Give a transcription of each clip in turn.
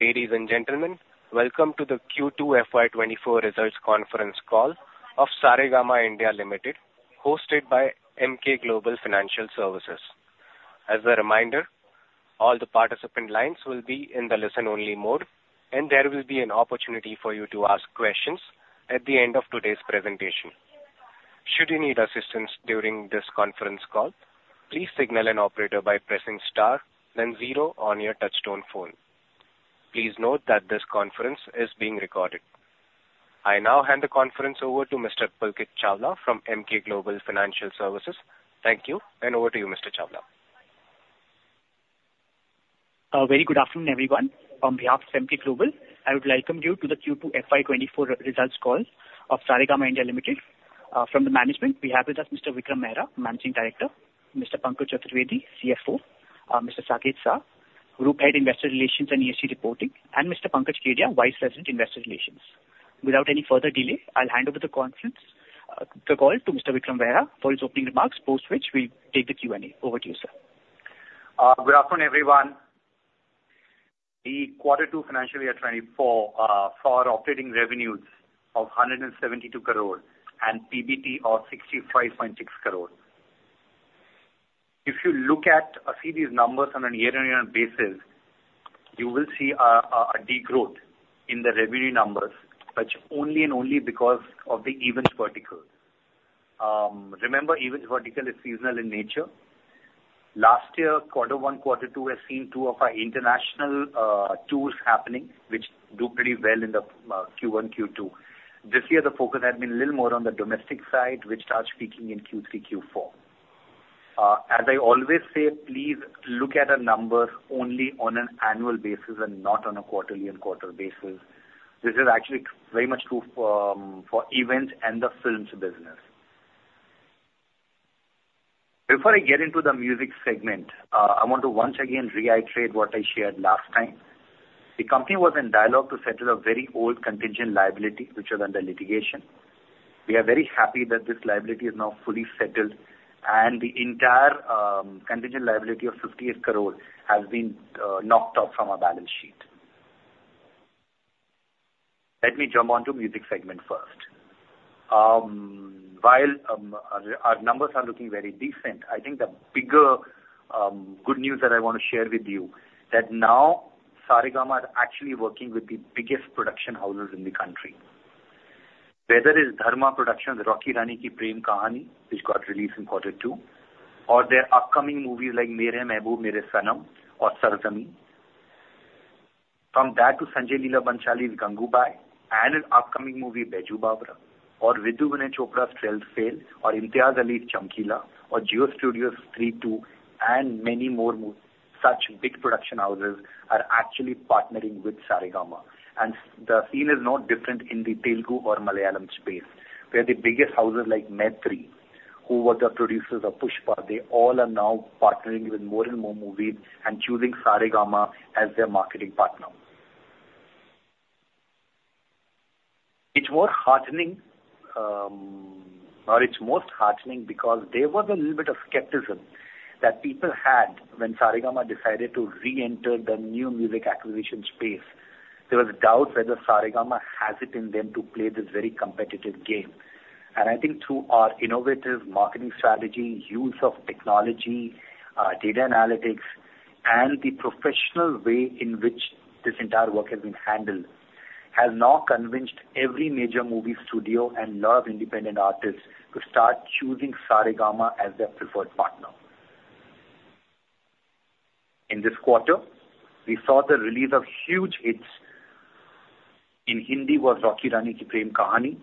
Ladies and gentlemen, welcome to the Q2 FY 2024 results conference call of Saregama India Limited, hosted by Emkay Global Financial Services. As a reminder, all the participant lines will be in the listen-only mode, and there will be an opportunity for you to ask questions at the end of today's presentation. Should you need assistance during this conference call, please signal an operator by pressing star, then zero on your touchtone phone. Please note that this conference is being recorded. I now hand the conference over to Mr. Pulkit Chawla from Emkay Global Financial Services. Thank you, and over to you, Mr. Chawla. Very good afternoon, everyone. On behalf of Emkay Global Financial Services, I would like to welcome you to the Q2 FY 2024 results call of Saregama India Limited. From the management, we have with us Mr. Vikram Mehra, Managing Director, Mr. Pankaj Chaturvedi, CFO, Mr. Saket Shah, Group Head, Investor Relations and ESG Reporting, and Mr. Pankaj Kedia, Vice President, Investor Relations. Without any further delay, I'll hand over the conference call to Mr. Vikram Mehra for his opening remarks, post which we take the Q&A. Over to you, sir. Good afternoon, everyone. The quarter two financial year 2024 saw operating revenues of 172 crore and PBT of 65.6 crore. If you look at or see these numbers on a year-on-year basis, you will see a degrowth in the revenue numbers, which only and only because of the events vertical. Remember, events vertical is seasonal in nature. Last year, quarter one, quarter two, we've seen two of our international tours happening, which do pretty well in the Q1, Q2. This year, the focus has been a little more on the domestic side, which starts peaking in Q3, Q4. As I always say, please look at our numbers only on an annual basis and not on a quarterly and quarter basis. This is actually very much true for events and the films business. Before I get into the music segment, I want to once again reiterate what I shared last time. The company was in dialogue to settle a very old contingent liability, which was under litigation. We are very happy that this liability is now fully settled, and the entire contingent liability of 58 crore has been knocked off from our balance sheet. Let me jump on to music segment first. While our numbers are looking very decent, I think the bigger good news that I want to share with you is that now Saregama is actually working with the biggest production houses in the country. Whether it's Dharma Productions' Rocky Aur Rani Kii Prem Kahaani, which got released in quarter two, or their upcoming movies like Mere Mehboob Mere Sanam or Sarzameen. From that to Sanjay Leela Bhansali's Gangubai and his upcoming movie Baiju Bawra or Vidhu Vinod Chopra's 12th Fail or Imtiaz Ali's Chamkila or Jio Studios' Stree 2, and many more movies. Such big production houses are actually partnering with Saregama, and the scene is no different in the Telugu or Malayalam space, where the biggest houses like Mythri, who were the producers of Pushpa, they all are now partnering with more and more movies and choosing Saregama as their marketing partner. It's more heartening, or it's most heartening because there was a little bit of skepticism that people had when Saregama decided to reenter the new music acquisition space. There was doubt whether Saregama has it in them to play this very competitive game. I think through our innovative marketing strategy, use of technology, data analytics, and the professional way in which this entire work has been handled, has now convinced every major movie studio and a lot of independent artists to start choosing Saregama as their preferred partner. In this quarter, we saw the release of huge hits. In Hindi was Rocky Aur Rani Kii Prem Kahaani,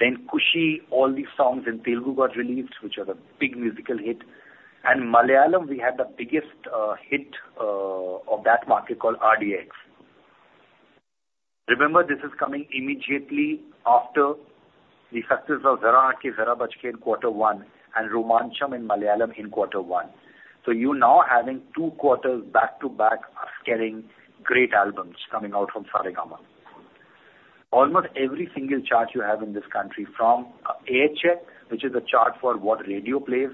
then Kushi, all these songs in Telugu got released, which are the big musical hit. In Malayalam, we had the biggest hit of that market called RDX. Remember, this is coming immediately after the success of Zara Hatke Zara Bachke in quarter one and Romancham in Malayalam in quarter one. You're now having two quarters back-to-back of getting great albums coming out from Saregama. Almost every single chart you have in this country, from AirCheck, which is a chart for what radio plays,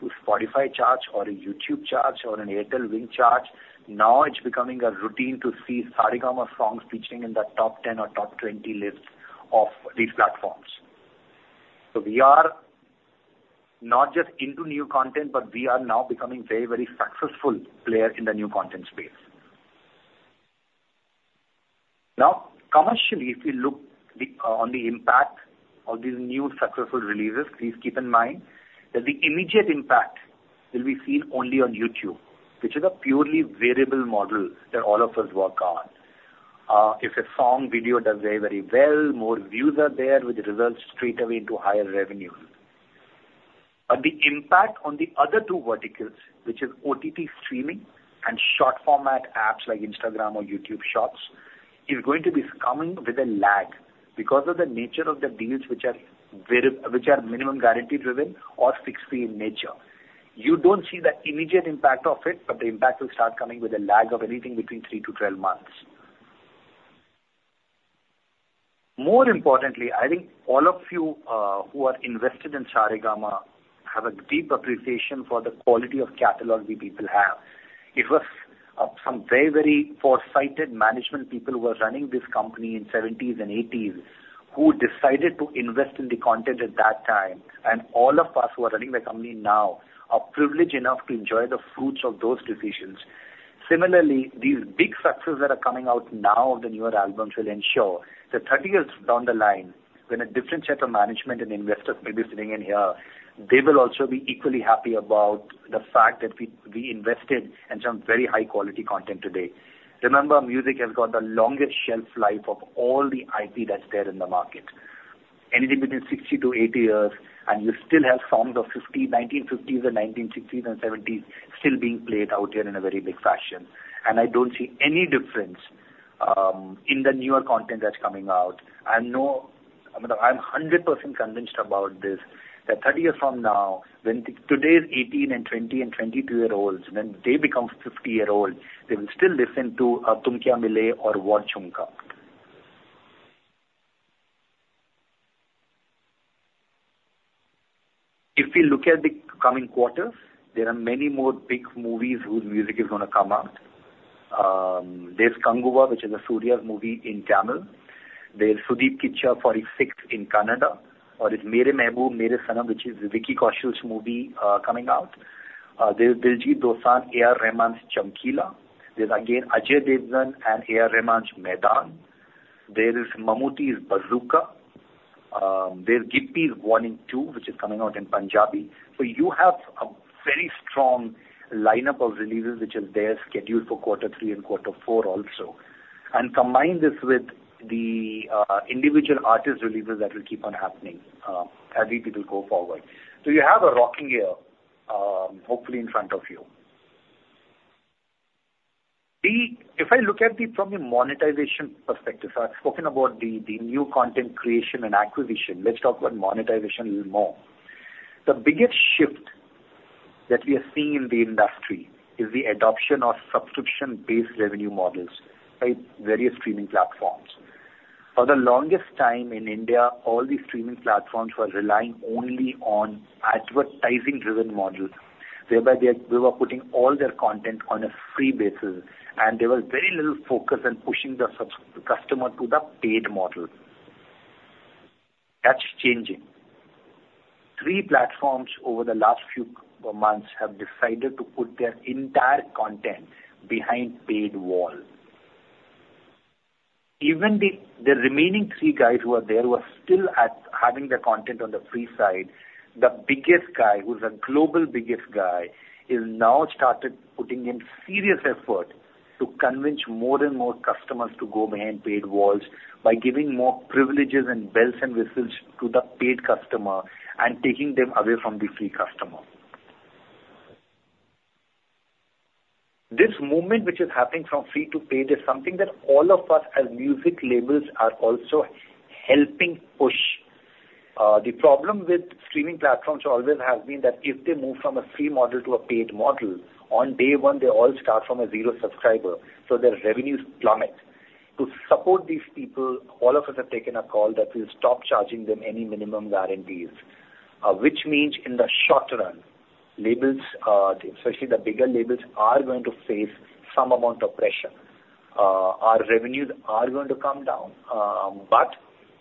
to Spotify chart or a YouTube chart or an Airtel Ring chart, now it's becoming a routine to see Saregama songs featuring in the top 10 or top 20 lists of these platforms. We are not just into new content, but we are now becoming very, very successful player in the new content space. Now, commercially, if you look at the impact of these new successful releases, please keep in mind that the immediate impact will be seen only on YouTube, which is a purely variable model that all of us work on. If a song video does very, very well, more views are there, which results straightaway into higher revenue. The impact on the other two verticals, which is OTT streaming and short format apps like Instagram or YouTube Shorts, is going to be coming with a lag because of the nature of the deals which are variable which are minimum guarantee driven or fixed fee in nature. You don't see the immediate impact of it, but the impact will start coming with a lag of anything between three to 12 months. More importantly, I think all of you who are invested in Saregama have a deep appreciation for the quality of catalog we people have. It was some very, very foresighted management people who were running this company in 1970s and 1980s, who decided to invest in the content at that time, and all of us who are running the company now are privileged enough to enjoy the fruits of those decisions. Similarly, these big successes that are coming out now of the newer albums will ensure that 30 years down the line, when a different set of management and investors may be sitting in here, they will also be equally happy about the fact that we, we invested in some very high quality content today. Remember, music has got the longest shelf life of all the IP that's there in the market. Anything between 60-80 years, and you still have songs of 50, 1950s and 1960s and 1970s still being played out there in a very big fashion. And I don't see any difference in the newer content that's coming out. I'm 100% convinced about this, that 30 years from now, when today's 18- and 20- and 22-year-olds, when they become 50-year-olds, they will still listen to Tum Kya Mile or watch What Jhumka? If we look at the coming quarters, there are many more big movies whose music is gonna come out. There's Kanguva, which is a Surya movie in Tamil. There's Kichcha 46 in Kannada, or it's Mere Mehboob Mere Sanam, which is Vicky Kaushal's movie, coming out. There's Diljit Dosanjh, A.R. Rahman's Chamkila. There's again, Ajay Devgn and A.R. Rahman's Maidaan. There is Mammootty's Bazooka. There's Gippy's Warning 2, which is coming out in Punjabi. So you have a very strong lineup of releases, which is there scheduled for quarter three and quarter four also. And combine this with the individual artist releases that will keep on happening, as we people go forward. So you have a rocking year, hopefully in front of you. If I look at it from a monetization perspective, I've spoken about the new content creation and acquisition. Let's talk about monetization a little more. The biggest shift that we are seeing in the industry is the adoption of subscription-based revenue models by various streaming platforms. For the longest time in India, all these streaming platforms were relying only on advertising-driven models, whereby they are, they were putting all their content on a free basis, and there was very little focus on pushing the customer to the paid model. That's changing. Three platforms over the last few months have decided to put their entire content behind paywall. Even the remaining three guys who are there, who are still at having their content on the free side, the biggest guy, who's a global biggest guy, is now started putting in serious effort to convince more and more customers to go behind paid walls by giving more privileges and bells and whistles to the paid customer and taking them away from the free customer. This movement, which is happening from free to paid, is something that all of us as music labels are also helping push. The problem with streaming platforms always has been that if they move from a free model to a paid model, on day one, they all start from a zero subscriber, so their revenues plummet. To support these people, all of us have taken a call that we'll stop charging them any minimum guarantees, which means in the short run, labels, especially the bigger labels, are going to face some amount of pressure. Our revenues are going to come down, but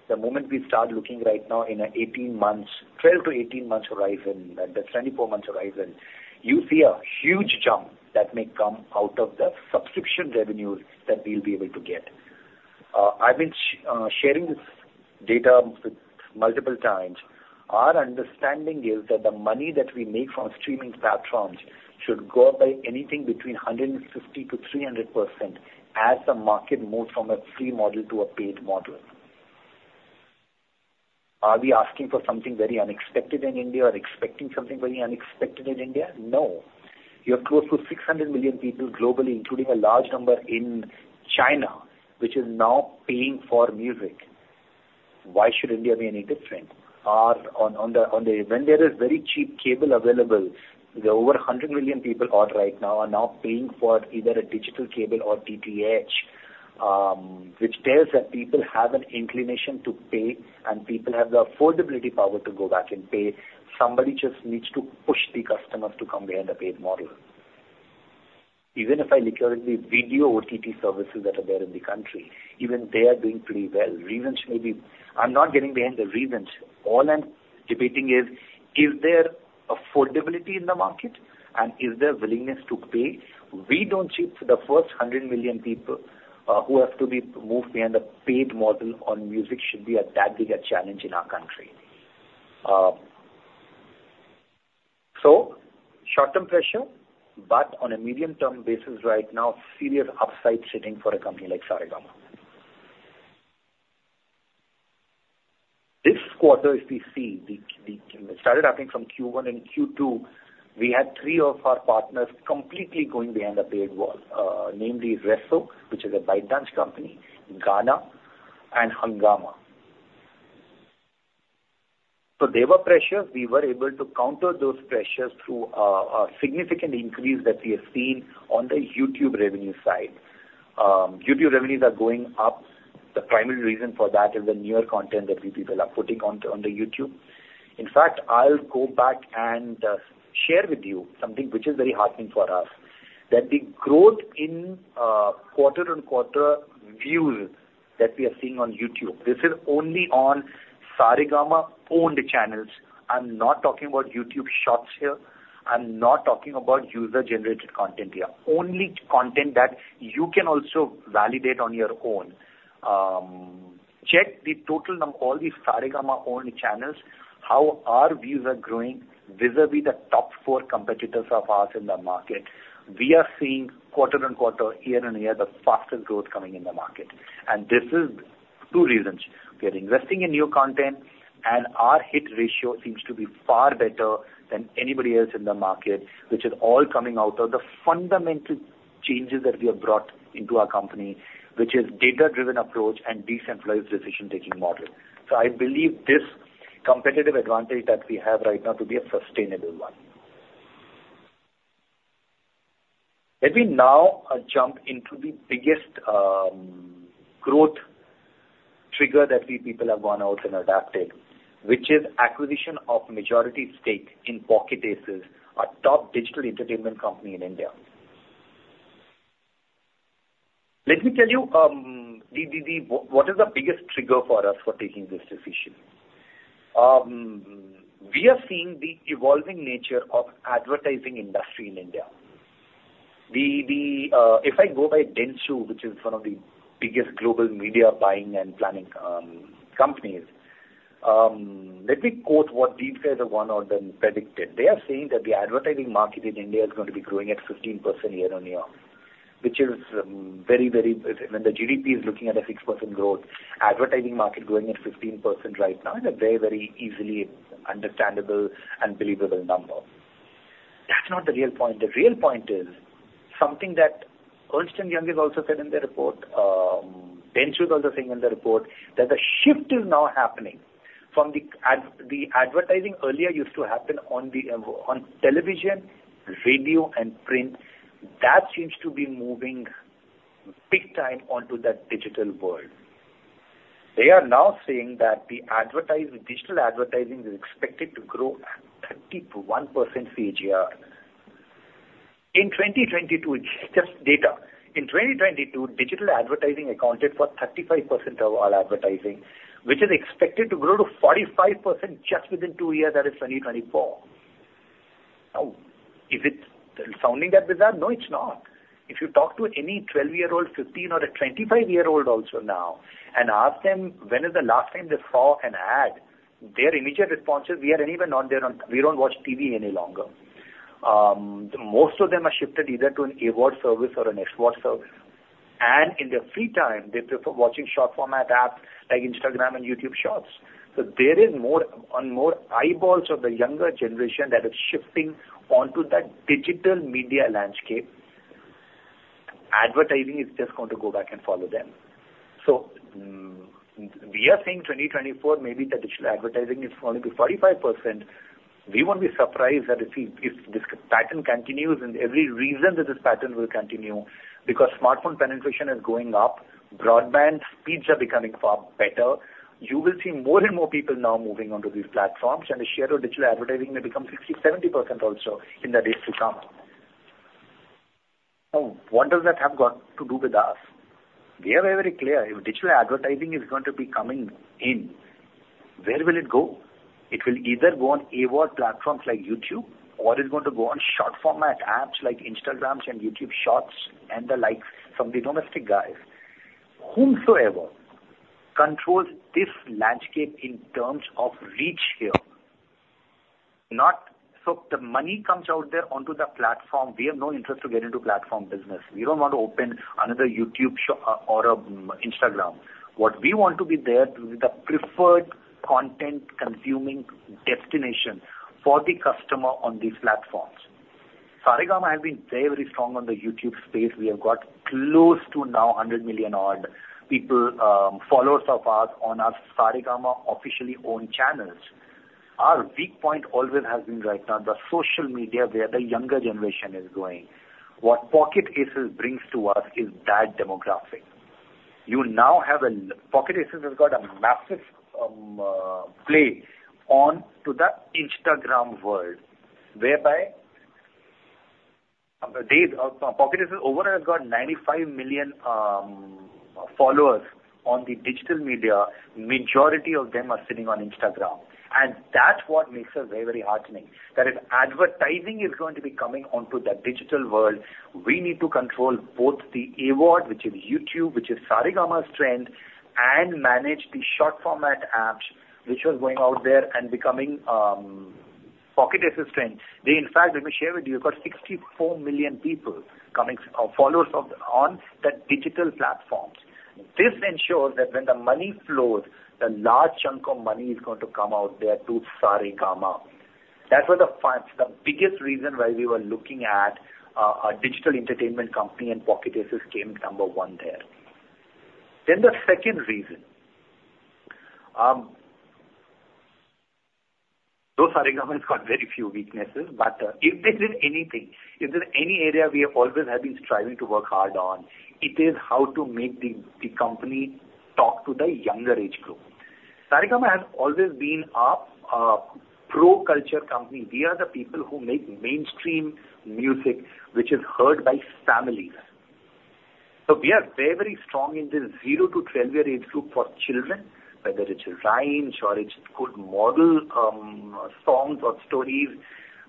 the moment we start looking right now in a 18 months, 12-18 months horizon, the 24 months horizon, you see a huge jump that may come out of the subscription revenues that we'll be able to get. I've been sharing this data multiple times. Our understanding is that the money that we make from streaming platforms should go up by anything between 150%-300% as the market moves from a free model to a paid model. Are we asking for something very unexpected in India or expecting something very unexpected in India? No. You have close to 600,000,000 people globally, including a large number in China, which is now paying for music. Why should India be any different? When there is very cheap cable available, there are over 100,000,000 people odd right now, are now paying for either a digital cable or DTH, which tells that people have an inclination to pay, and people have the affordability power to go back and pay. Somebody just needs to push the customers to come behind the paid model. Even if I look at the video OTT services that are there in the country, even they are doing pretty well. Reasons may be... I'm not getting behind the reasons. All I'm debating is, is there affordability in the market and is there willingness to pay? We don't see the first 100,000,000 people who have to be moved behind the paid model on music should be that big a challenge in our country. So short-term pressure, but on a medium-term basis right now, serious upside sitting for a company like Saregama. This quarter, if we see, it started, I think, from Q1 and Q2, we had three of our partners completely going behind the paid wall, namely Resso, which is a ByteDance company, Gaana and Hungama. So there were pressures. We were able to counter those pressures through a significant increase that we have seen on the YouTube revenue side. YouTube revenues are going up. The primary reason for that is the newer content that we people are putting on, on the YouTube. In fact, I'll go back and share with you something which is very heartening for us, that the growth in quarter-on-quarter views that we are seeing on YouTube. This is only on Saregama-owned channels. I'm not talking about YouTube Shorts here. I'm not talking about user-generated content here. Only content that you can also validate on your own. Check the total all the Saregama-owned channels, how our views are growing vis-a-vis the top four competitors of ours in the market. We are seeing quarter-on-quarter, year-on-year, the fastest growth coming in the market. This is two reasons: we are investing in new content, and our hit ratio seems to be far better than anybody else in the market, which is all coming out of the fundamental changes that we have brought into our company, which is data-driven approach and decentralized decision-taking model. I believe this competitive advantage that we have right now to be a sustainable one. Let me now jump into the biggest growth trigger that we people have gone out and adapted, which is acquisition of majority stake in Pocket Aces, a top digital entertainment company in India. Let me tell you what is the biggest trigger for us for taking this decision. We are seeing the evolving nature of advertising industry in India. If I go by Dentsu, which is one of the biggest global media buying and planning companies, let me quote what these guys have gone out and predicted. They are saying that the advertising market in India is going to be growing at 15% year-on-year, which is very, very—when the GDP is looking at a 6% growth, advertising market growing at 15% right now is a very, very easily understandable and believable number. That's not the real point. The real point is something that Ernst & Young has also said in their report, Dentsu is also saying in the report, that the shift is now happening from the advertising earlier used to happen on the on television, radio, and print. That seems to be moving big time onto that digital world. They are now saying that digital advertising is expected to grow at 31% CAGR. In 2022, just data. In 2022, digital advertising accounted for 35% of all advertising, which is expected to grow to 45% just within two years, that is 2024. Now, is it sounding that bizarre? No, it's not. If you talk to any 12-year-old, 15, or a 25-year-old also now, and ask them, when is the last time they saw an ad? Their immediate response is, "We are anywhere, not there on... We don't watch TV any longer." Most of them are shifted either to an AVOD service or an SVOD service, and in their free time, they prefer watching short format apps like Instagram and YouTube Shorts. So there is more and more eyeballs of the younger generation that is shifting onto that digital media landscape. Advertising is just going to go back and follow them. So, we are saying 2024, maybe the digital advertising is going to be 45%. We won't be surprised that if this pattern continues, and every reason that this pattern will continue, because smartphone penetration is going up, broadband speeds are becoming far better. You will see more and more people now moving onto these platforms, and the share of digital advertising may become 60%, 70% also in the days to come. Now, what does that have got to do with us? We are very clear. If digital advertising is going to be coming in, where will it go? It will either go on AVOD platforms like YouTube, or it's going to go on short format apps like Instagrams and YouTube Shorts, and the likes from the domestic guys. Whomsoever controls this landscape in terms of reach here, not so the money comes out there onto the platform. We have no interest to get into platform business. We don't want to open another YouTube or Instagram. What we want to be there, to be the preferred content consuming destination for the customer on these platforms. Saregama has been very, very strong on the YouTube space. We have got close to now 100,000,000 odd people followers of ours on our Saregama officially owned channels. Our weak point always has been right now, the social media, where the younger generation is going. What Pocket Aces brings to us is that demographic. You now have a Pocket Aces has got a massive play on to the Instagram world, whereby they Pocket Aces overall has got 95,000,000 followers on the digital media. Majority of them are sitting on Instagram. That's what makes us very, very heartening, that if advertising is going to be coming onto the digital world, we need to control both the AVOD, which is YouTube, which is Saregama's strength, and manage the short format apps, which was going out there and becoming, you know, Pocket Aces' strength. They, in fact, let me share with you, they've got 64,000,000people coming, followers of—on the digital platforms. This ensures that when the money flows, the large chunk of money is going to come out there to Saregama. That was the far—the biggest reason why we were looking at, you know, a digital entertainment company, and Pocket Aces came number one there.... Then the second reason, though Saregama has got very few weaknesses, but, if there is anything, if there's any area we always have been striving to work hard on, it is how to make the, the company talk to the younger age group. Saregama has always been a, pro-culture company. We are the people who make mainstream music, which is heard by families. So we are very, very strong in this zero to 12 year age group for children, whether it's rhymes or it's good moral songs or stories.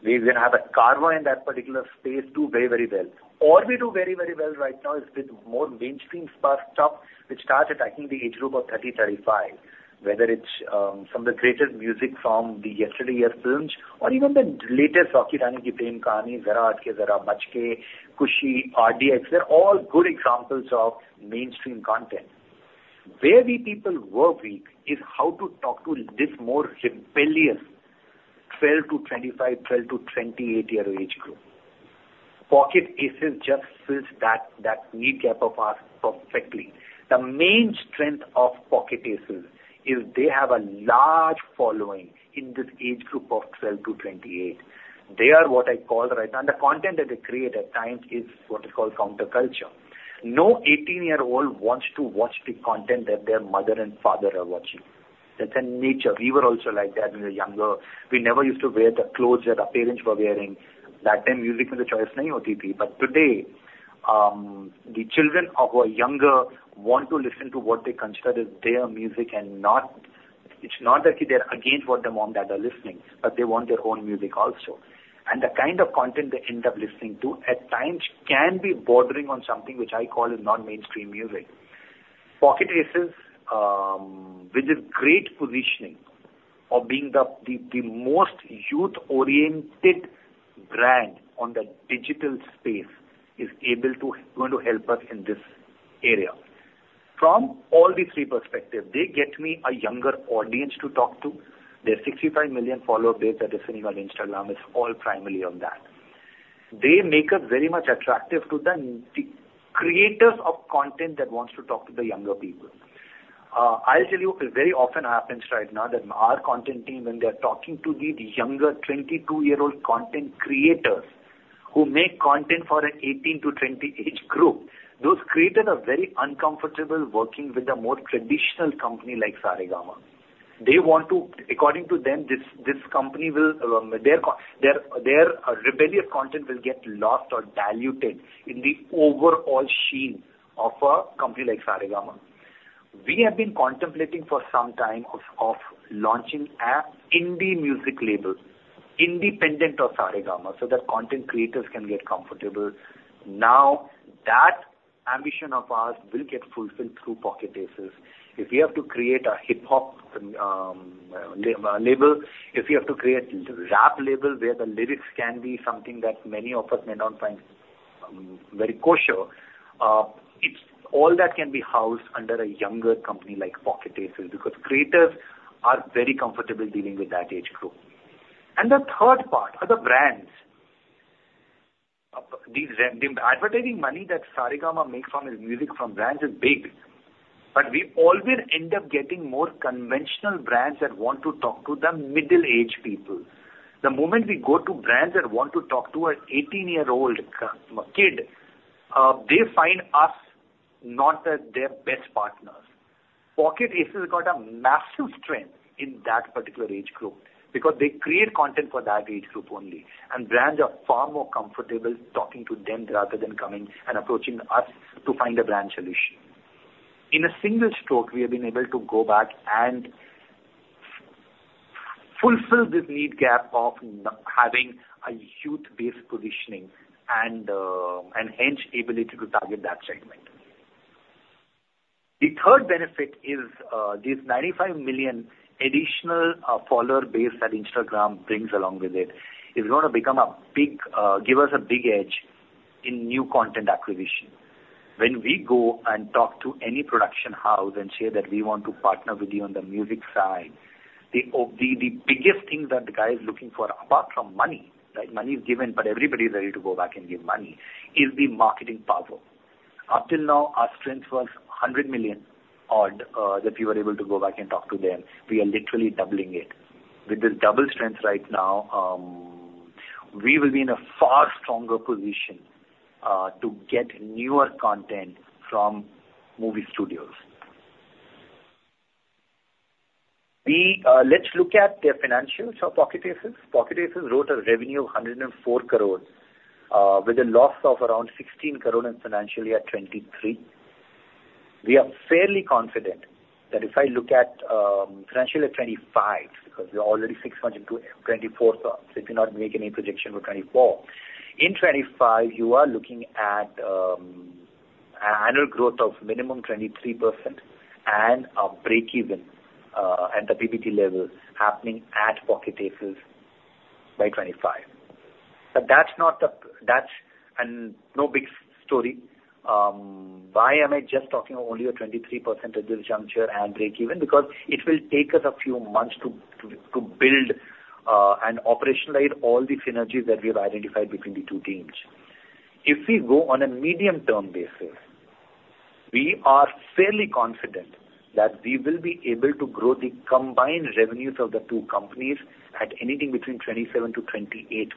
We even have a Carvaan in that particular space do very, very well. All we do very, very well right now is with more mainstream stuff, which starts at, I think, the age group of 30-35. Whether it's some of the greatest music from the yesteryear's films or even the latest Rocky Aur Rani Kii Prem Kahaani, Zara Hatke Zara Bachke, Khushi, RDX. They're all good examples of mainstream content. Where we people were weak is how to talk to this more rebellious 12-25, 12-28 year-old age group. Pocket Aces just fills that need gap of ours perfectly. The main strength of Pocket Aces is they have a large following in this age group of 12-28. They are what I call right - and the content that they create at times is what is called counterculture. No 18-year-old wants to watch the content that their mother and father are watching. That's in nature. We were also like that when we were younger. We never used to wear the clothes that our parents were wearing. That time, music in the choice nahi hoti thi. But today, the children of our younger want to listen to what they consider as their music and not—it's not that they're against what their mom, dad are listening, but they want their own music also. And the kind of content they end up listening to, at times, can be bordering on something which I call a non-mainstream music. Pocket Aces, with its great positioning of being the most youth-oriented brand on the digital space, is able to going to help us in this area. From all these three perspective, they get me a younger audience to talk to. Their 65,000,000 follower base that is sitting on Instagram is all primarily on that. They make us very much attractive to the creators of content that wants to talk to the younger people. I'll tell you, it very often happens right now that our content team, when they're talking to the younger 22-year-old content creators, who make content for an 18-20 age group, those creators are very uncomfortable working with a more traditional company like Saregama. They want to... According to them, this, this company will, their their rebellious content will get lost or diluted in the overall sheen of a company like Saregama. We have been contemplating for some time of launching an indie music label, independent of Saregama, so that content creators can get comfortable. Now, that ambition of ours will get fulfilled through Pocket Aces. If we have to create a hip-hop label, if we have to create rap label, where the lyrics can be something that many of us may not find very kosher, it's all that can be housed under a younger company like Pocket Aces, because creators are very comfortable dealing with that age group. And the third part are the brands. The advertising money that Saregama makes from his music, from brands is big, but we always end up getting more conventional brands that want to talk to the middle-aged people. The moment we go to brands that want to talk to an 18-year-old kid, they find us not as their best partners. Pocket Aces got a massive strength in that particular age group because they create content for that age group only, and brands are far more comfortable talking to them rather than coming and approaching us to find a brand solution. In a single stroke, we have been able to go back and fulfill this need gap of having a youth-based positioning and, and hence, ability to target that segment. The third benefit is, this 95,000,000 additional follower base that Instagram brings along with it, is gonna become a big give us a big edge in new content acquisition. When we go and talk to any production house and say that we want to partner with you on the music side, the biggest thing that the guy is looking for, apart from money, right? Money is given, but everybody is ready to go back and give money, is the marketing power. Up till now, our strength was 100,000,000 odd that we were able to go back and talk to them. We are literally doubling it. With this double strength right now, we will be in a far stronger position to get newer content from movie studios. We, let's look at the financials of Pocket Aces. Pocket Aces wrote a revenue of 104 crore with a loss of around 16 crore in financial year 2023. We are fairly confident that if I look at financial year 2025, because we are already fixed into 2024, so I cannot make any projection for 2024. In 2025, you are looking at a annual growth of minimum 23% and a break even at the PBT level happening at Pocket Aces by 2025. But that's not the- that's no big story. Why am I just talking only about 23% at this juncture and break even? Because it will take us a few months to build and operationalize all the synergies that we have identified between the two teams. If we go on a medium-term basis, we are fairly confident that we will be able to grow the combined revenues of the two companies at anything between 27%-28%,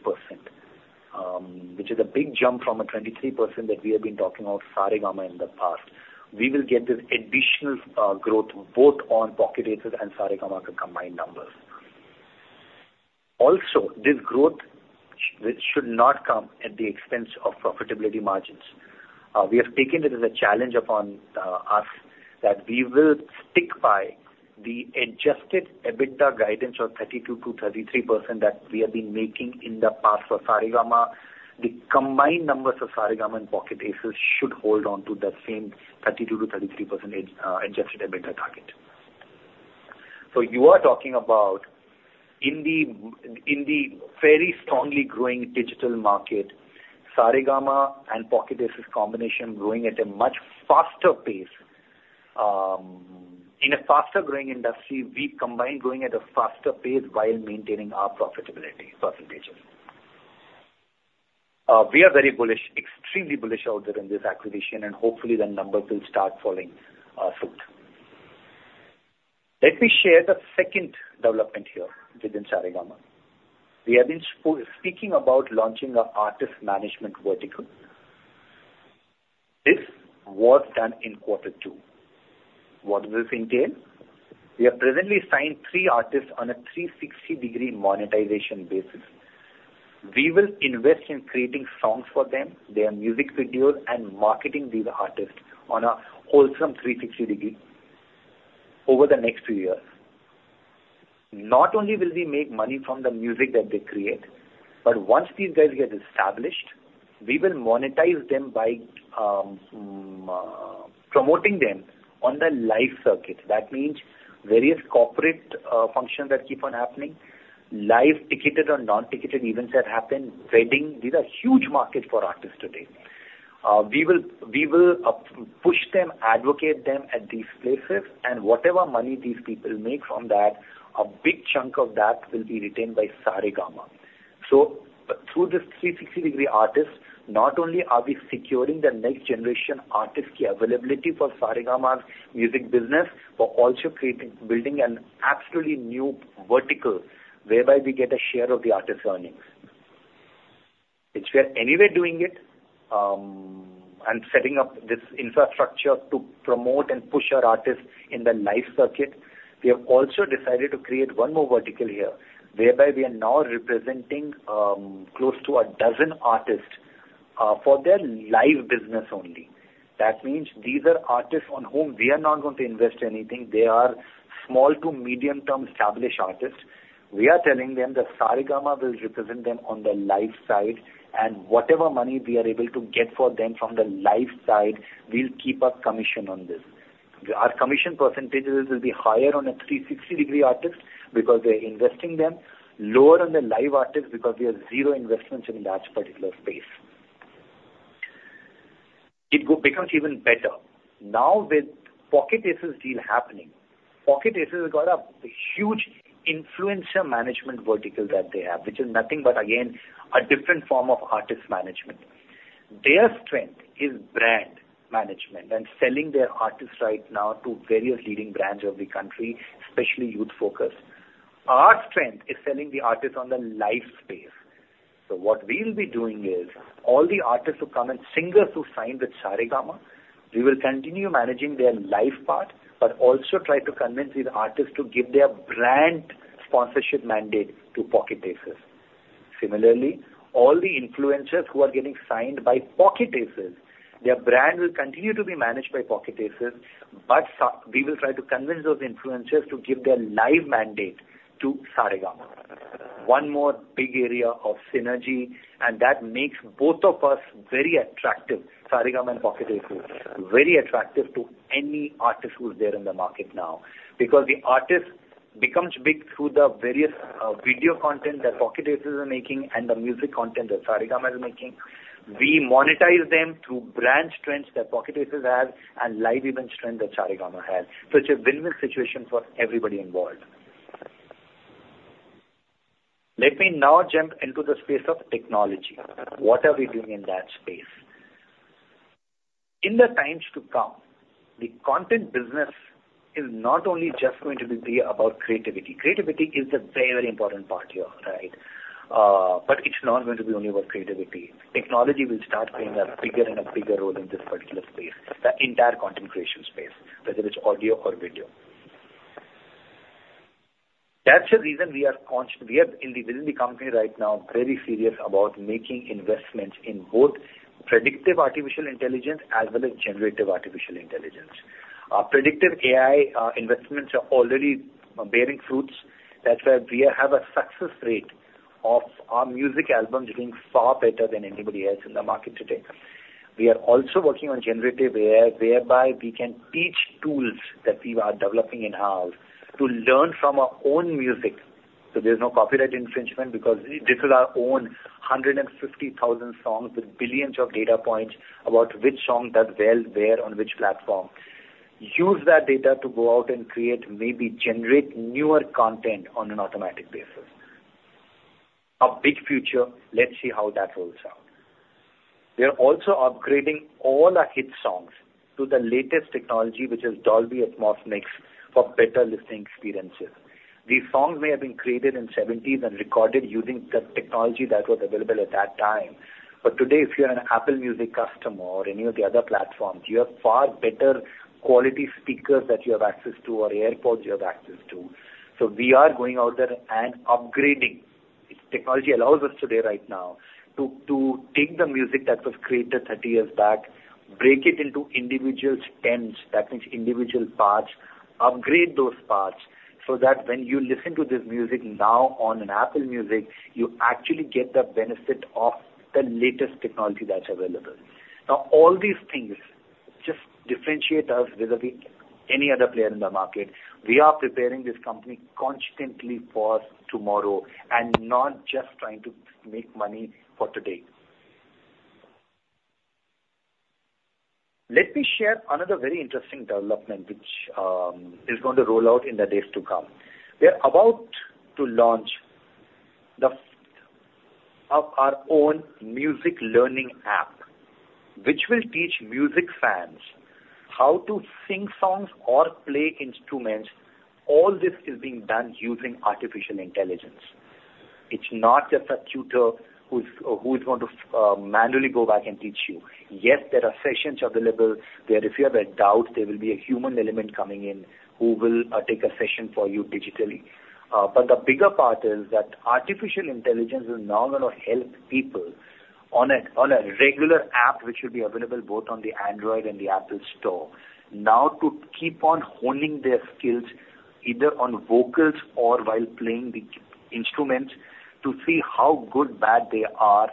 which is a big jump from the 23% that we have been talking about Saregama in the past. We will get this additional growth both on Pocket Aces and Saregama, the combined numbers. Also, this growth, which should not come at the expense of profitability margins. We have taken it as a challenge upon us that we will stick by the adjusted EBITDA guidance of 32%-33% that we have been making in the past for Saregama. The combined numbers of Saregama and Pocket Aces should hold on to that same 32%-33% adjusted EBITDA target. So you are talking about in the fairly strongly growing digital market, Saregama and Pocket Aces combination growing at a much faster pace. In a faster-growing industry, we combine growing at a faster pace while maintaining our profitability percentages. We are very bullish, extremely bullish out there in this acquisition, and hopefully the numbers will start falling soon. Let me share the second development here within Saregama. We have been speaking about launching our artist management vertical. This was done in quarter two. What does this entail? We have presently signed three artists on a 360-degree monetization basis. We will invest in creating songs for them, their music videos, and marketing these artists on a wholesome 360-degree over the next few years. Not only will we make money from the music that they create, but once these guys get established, we will monetize them by promoting them on the live circuit. That means various corporate functions that keep on happening, live ticketed or non-ticketed events that happen, wedding. These are huge markets for artists today. We will push them, advocate them at these places, and whatever money these people make from that, a big chunk of that will be retained by Saregama. So through this 360-degree artists, not only are we securing the next generation artist availability for Saregama's music business, but also creating, building an absolutely new vertical whereby we get a share of the artist's earnings. Since we are anyway doing it, and setting up this infrastructure to promote and push our artists in the live circuit, we have also decided to create one more vertical here, whereby we are now representing close to a dozen artists for their live business only. That means these are artists on whom we are not going to invest anything. They are small to medium-term established artists. We are telling them that Saregama will represent them on the live side, and whatever money we are able to get for them from the live side, we'll keep our commission on this. Our commission percentages will be higher on 360-degree artists because we're investing them, lower on the live artists because we have zero investments in that particular space. It becomes even better. Now, with Pocket Aces deal happening, Pocket Aces has got a huge influencer management vertical that they have, which is nothing but again, a different form of artist management. Their strength is brand management and selling their artists right now to various leading brands of the country, especially youth-focused. Our strength is selling the artists on the live space. So what we'll be doing is, all the artists who come and singers who sign with Saregama, we will continue managing their live part, but also try to convince these artists to give their brand sponsorship mandate to Pocket Aces. Similarly, all the influencers who are getting signed by Pocket Aces, their brand will continue to be managed by Pocket Aces, but we will try to convince those influencers to give their live mandate to Saregama. One more big area of synergy, and that makes both of us very attractive, Saregama and Pocket Aces, very attractive to any artist who's there in the market now. Because the artist becomes big through the various video content that Pocket Aces are making and the music content that Saregama is making. We monetize them through brand strengths that Pocket Aces has and live event strength that Saregama has. So it's a win-win situation for everybody involved. Let me now jump into the space of technology. What are we doing in that space? In the times to come, the content business is not only just going to be about creativity. Creativity is a very important part here, right? But it's not going to be only about creativity. Technology will start playing a bigger and a bigger role in this particular space, the entire content creation space, whether it's audio or video. That's the reason we are in the, within the company right now, very serious about making investments in both predictive artificial intelligence as well as generative artificial intelligence. Our predictive AI investments are already bearing fruits. That's why we have a success rate of our music albums doing far better than anybody else in the market today. We are also working on generative AI, whereby we can teach tools that we are developing in-house to learn from our own music. So there's no copyright infringement because these are our own 150,000 songs with billions of data points about which song does well where on which platform... use that data to go out and create, maybe generate newer content on an automatic basis. A big future, let's see how that rolls out. We are also upgrading all our hit songs to the latest technology, which is Dolby Atmos mix, for better listening experiences. These songs may have been created in the 1970s and recorded using the technology that was available at that time, but today, if you're an Apple Music customer or any of the other platforms, you have far better quality speakers that you have access to or AirPods you have access to. So we are going out there and upgrading. If technology allows us today, right now, to take the music that was created 30 years back, break it into individual stems, that means individual parts, upgrade those parts, so that when you listen to this music now on Apple Music, you actually get the benefit of the latest technology that's available. Now, all these things just differentiate us with any other player in the market. We are preparing this company constantly for tomorrow and not just trying to make money for today. Let me share another very interesting development, which is going to roll out in the days to come. We are about to launch of our own music learning app, which will teach music fans how to sing songs or play instruments. All this is being done using artificial intelligence. It's not just a tutor who is going to manually go back and teach you. Yes, there are sessions available, where if you have a doubt, there will be a human element coming in who will take a session for you digitally. But the bigger part is that artificial intelligence is now going to help people on a regular app, which will be available both on the Android and the Apple store. Now, to keep on honing their skills, either on vocals or while playing the instruments, to see how good, bad they are,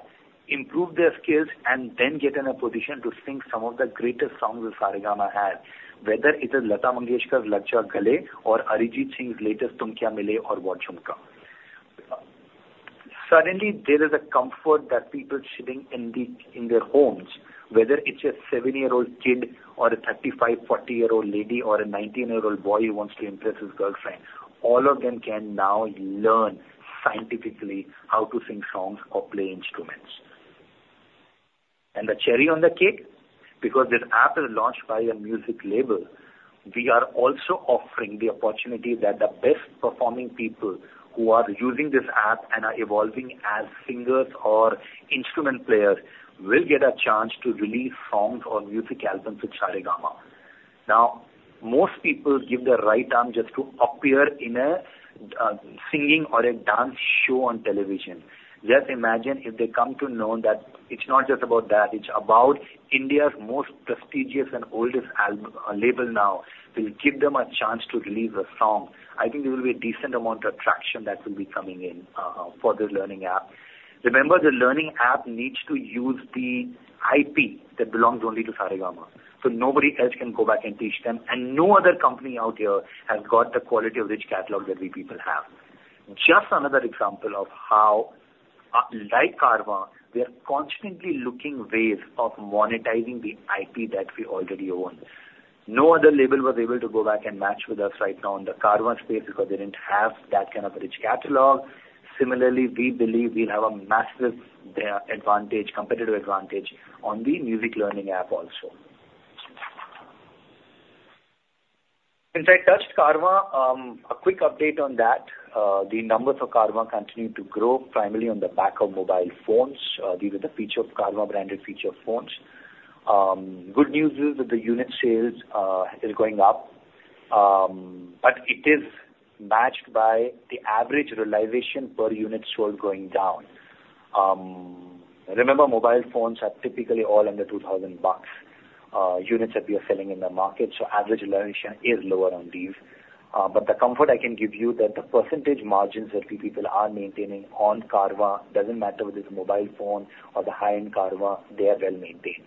improve their skills, and then get in a position to sing some of the greatest songs that Saregama has. Whether it is Lata Mangeshkar's Lag Jaa Gale or Arijit Singh's latest Tum Kya Mile or What Jhumka? Suddenly, there is a comfort that people sitting in their homes, whether it's a seven-year-old kid or a 35, 40-year-old lady or a 19-year-old boy who wants to impress his girlfriend, all of them can now learn scientifically how to sing songs or play instruments. The cherry on the cake, because this app is launched by a music label, we are also offering the opportunity that the best performing people who are using this app and are evolving as singers or instrument players, will get a chance to release songs or music albums with Saregama. Now, most people give their right arm just to appear in a singing or a dance show on television. Just imagine if they come to know that it's not just about that, it's about India's most prestigious and oldest label now will give them a chance to release a song. I think there will be a decent amount of traction that will be coming in for this learning app. Remember, the learning app needs to use the IP that belongs only to Saregama, so nobody else can go back and teach them, and no other company out there has got the quality of rich catalog that we people have. Just another example of how, like Carvaan, we are constantly looking ways of monetizing the IP that we already own. No other label was able to go back and match with us right now in the Carvaan space because they didn't have that kind of a rich catalog. Similarly, we believe we'll have a massive, advantage, competitive advantage on the music learning app also. Since I touched Carvaan, a quick update on that. The numbers of Carvaan continue to grow, primarily on the back of mobile phones, these are the feature of Carvaan-branded feature phones. Good news is that the unit sales is going up, but it is matched by the average realization per unit sold going down. Remember, mobile phones are typically all under 2,000 bucks, units that we are selling in the market, so average realization is lower on these. But the comfort I can give you that the percentage margins that we people are maintaining on Carvaan, doesn't matter whether it's a mobile phone or the high-end Carvaan, they are well-maintained.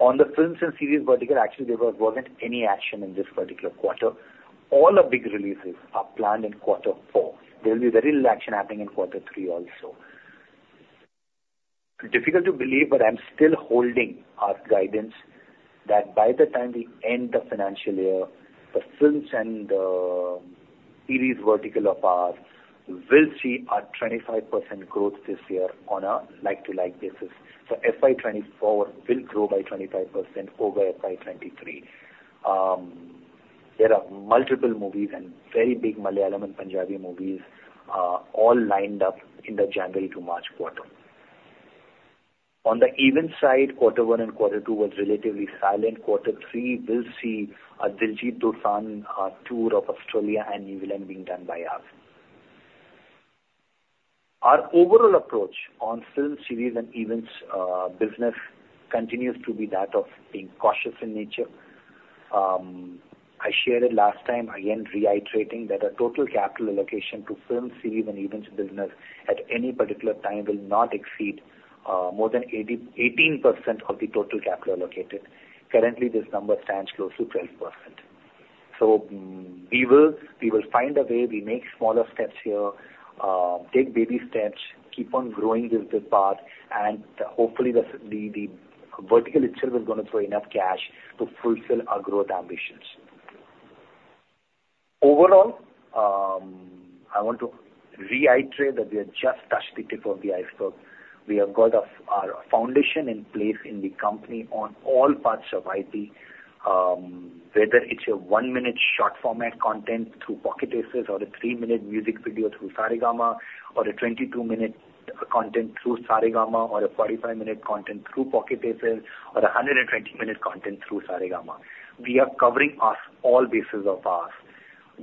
On the films and series vertical, actually, there wasn't any action in this particular quarter. All our big releases are planned in quarter four. There will be very little action happening in quarter three also. Difficult to believe, but I'm still holding our guidance, that by the time we end the financial year, the films and series vertical of ours will see a 25% growth this year on a like-to-like basis. So FY 2024 will grow by 25% over FY 2023. There are multiple movies and very big Malayalam and Punjabi movies all lined up in the January to March quarter. On the event side, quarter one and quarter two was relatively silent. Quarter three, we'll see a Diljit Dosanjh tour of Australia and New Zealand being done by us. Our overall approach on film, series, and events business continues to be that of being cautious in nature. I shared it last time, again, reiterating that our total capital allocation to film, series, and events business at any particular time will not exceed more than 80-18% of the total capital allocated. Currently, this number stands close to 12%. So we will, we will find a way. We make smaller steps here, take baby steps, keep on growing this path, and hopefully, the, the, the vertical itself is going to throw enough cash to fulfill our growth ambitions. Overall, I want to reiterate that we have just touched the tip of the iceberg. We have got our, our foundation in place in the company on all parts of IP, whether it's a one-minute short format content through Pocket Aces, or a three-minute music video through Saregama, or a 22-minute content through Saregama, or a 45-minute content through Pocket Aces, or a 120-minute content through Saregama. We are covering us all bases of ours.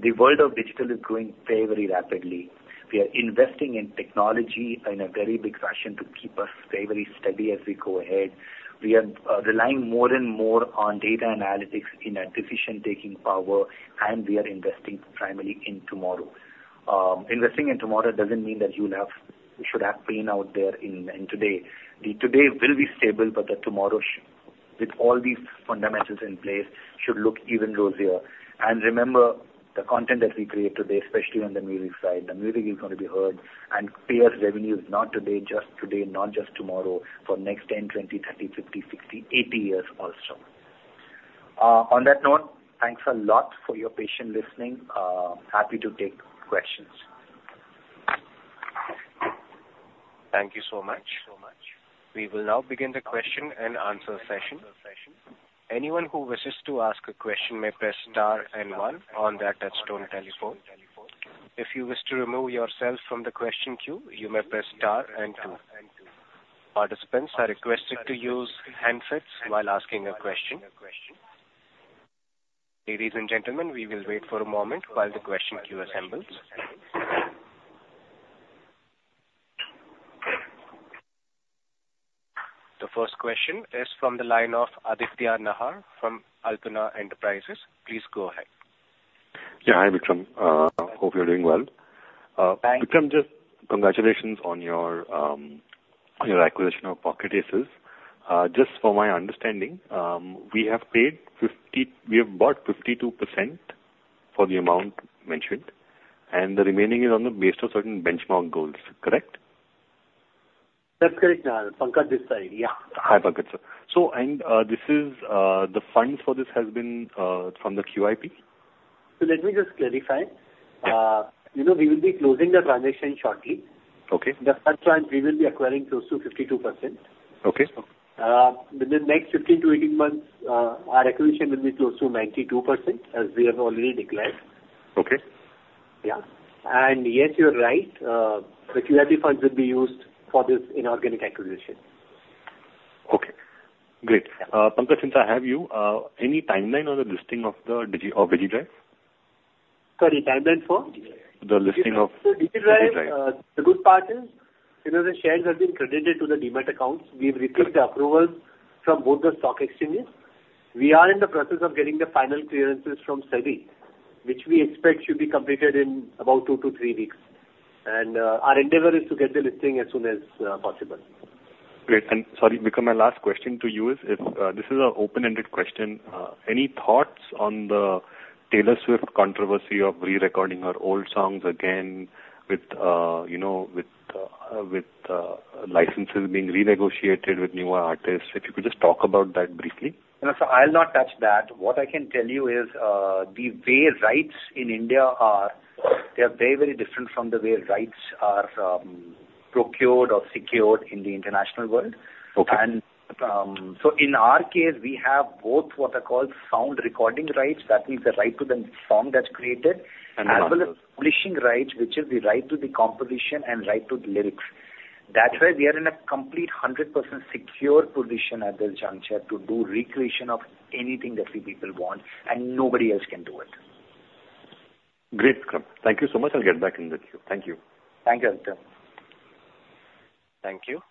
The world of digital is growing very, very rapidly. We are investing in technology in a very big fashion to keep us very, very steady as we go ahead. We are relying more and more on data analytics in our decision-taking power, and we are investing primarily in tomorrow. Investing in tomorrow doesn't mean that you will have- should have pain out there in, in today. Today will be stable, but tomorrow with all these fundamentals in place, should look even rosier. And remember, the content that we create today, especially on the music side, the music is going to be heard, and create revenues, not today, just today, not just tomorrow, for next 10, 20, 30, 50, 60, 80 years or so. On that note, thanks a lot for your patient listening. Happy to take questions. Thank you so much, so much. We will now begin the question-and-answer session. Anyone who wishes to ask a question may press star and one on their touchtone telephone. If you wish to remove yourself from the question queue, you may press star and two. Participants are requested to use handsets while asking a question. Ladies and gentlemen, we will wait for a moment while the question queue assembles. The first question is from the line of Aditya Nahar, from Alpana Enterprises. Please go ahead. Yeah. Hi, Vikram. Hope you're doing well. Thank you. Vikram, just congratulations on your acquisition of Pocket Aces. Just for my understanding, we have bought 52% for the amount mentioned, and the remaining is on the basis of certain benchmark goals, correct? That's correct, Nahar. Pankaj this side. Yeah. Hi, Pankaj, sir. So, this is the funds for this has been from the QIP? Let me just clarify. Yeah. You know, we will be closing the transaction shortly. Okay. The first one, we will be acquiring close to 52%. Okay. Within the next 15-18 months, our acquisition will be close to 92%, as we have already declared. Okay. Yeah. Yes, you're right. The QIP funds will be used for this inorganic acquisition. Okay, great. Pankaj, since I have you, any timeline on the listing of the Digidrive? Sorry, timeline for? The listing of Digidrive. The good part is, you know, the shares have been credited to the demat accounts. We've received the approvals from both the stock exchanges. We are in the process of getting the final clearances from SEBI, which we expect should be completed in about two to three weeks. Our endeavor is to get the listing as soon as possible. Great. And sorry, Vikram, my last question to you is, this is an open-ended question. Any thoughts on the Taylor Swift controversy of rerecording her old songs again with, you know, with licenses being renegotiated with newer artists? If you could just talk about that briefly. No, sir, I'll not touch that. What I can tell you is, the way rights in India are, they're very, very different from the way rights are, procured or secured in the international world. Okay. In our case, we have both what are called sound recording rights. That means the right to the song that's created-And... as well as publishing rights, which is the right to the composition and right to the lyrics. That's why we are in a complete 100% secure position at this juncture to do recreation of anything that we people want, and nobody else can do it. Great, Vikram. Thank you so much. I'll get back in the queue. Thank you. Thank you, Aditya. Thank you.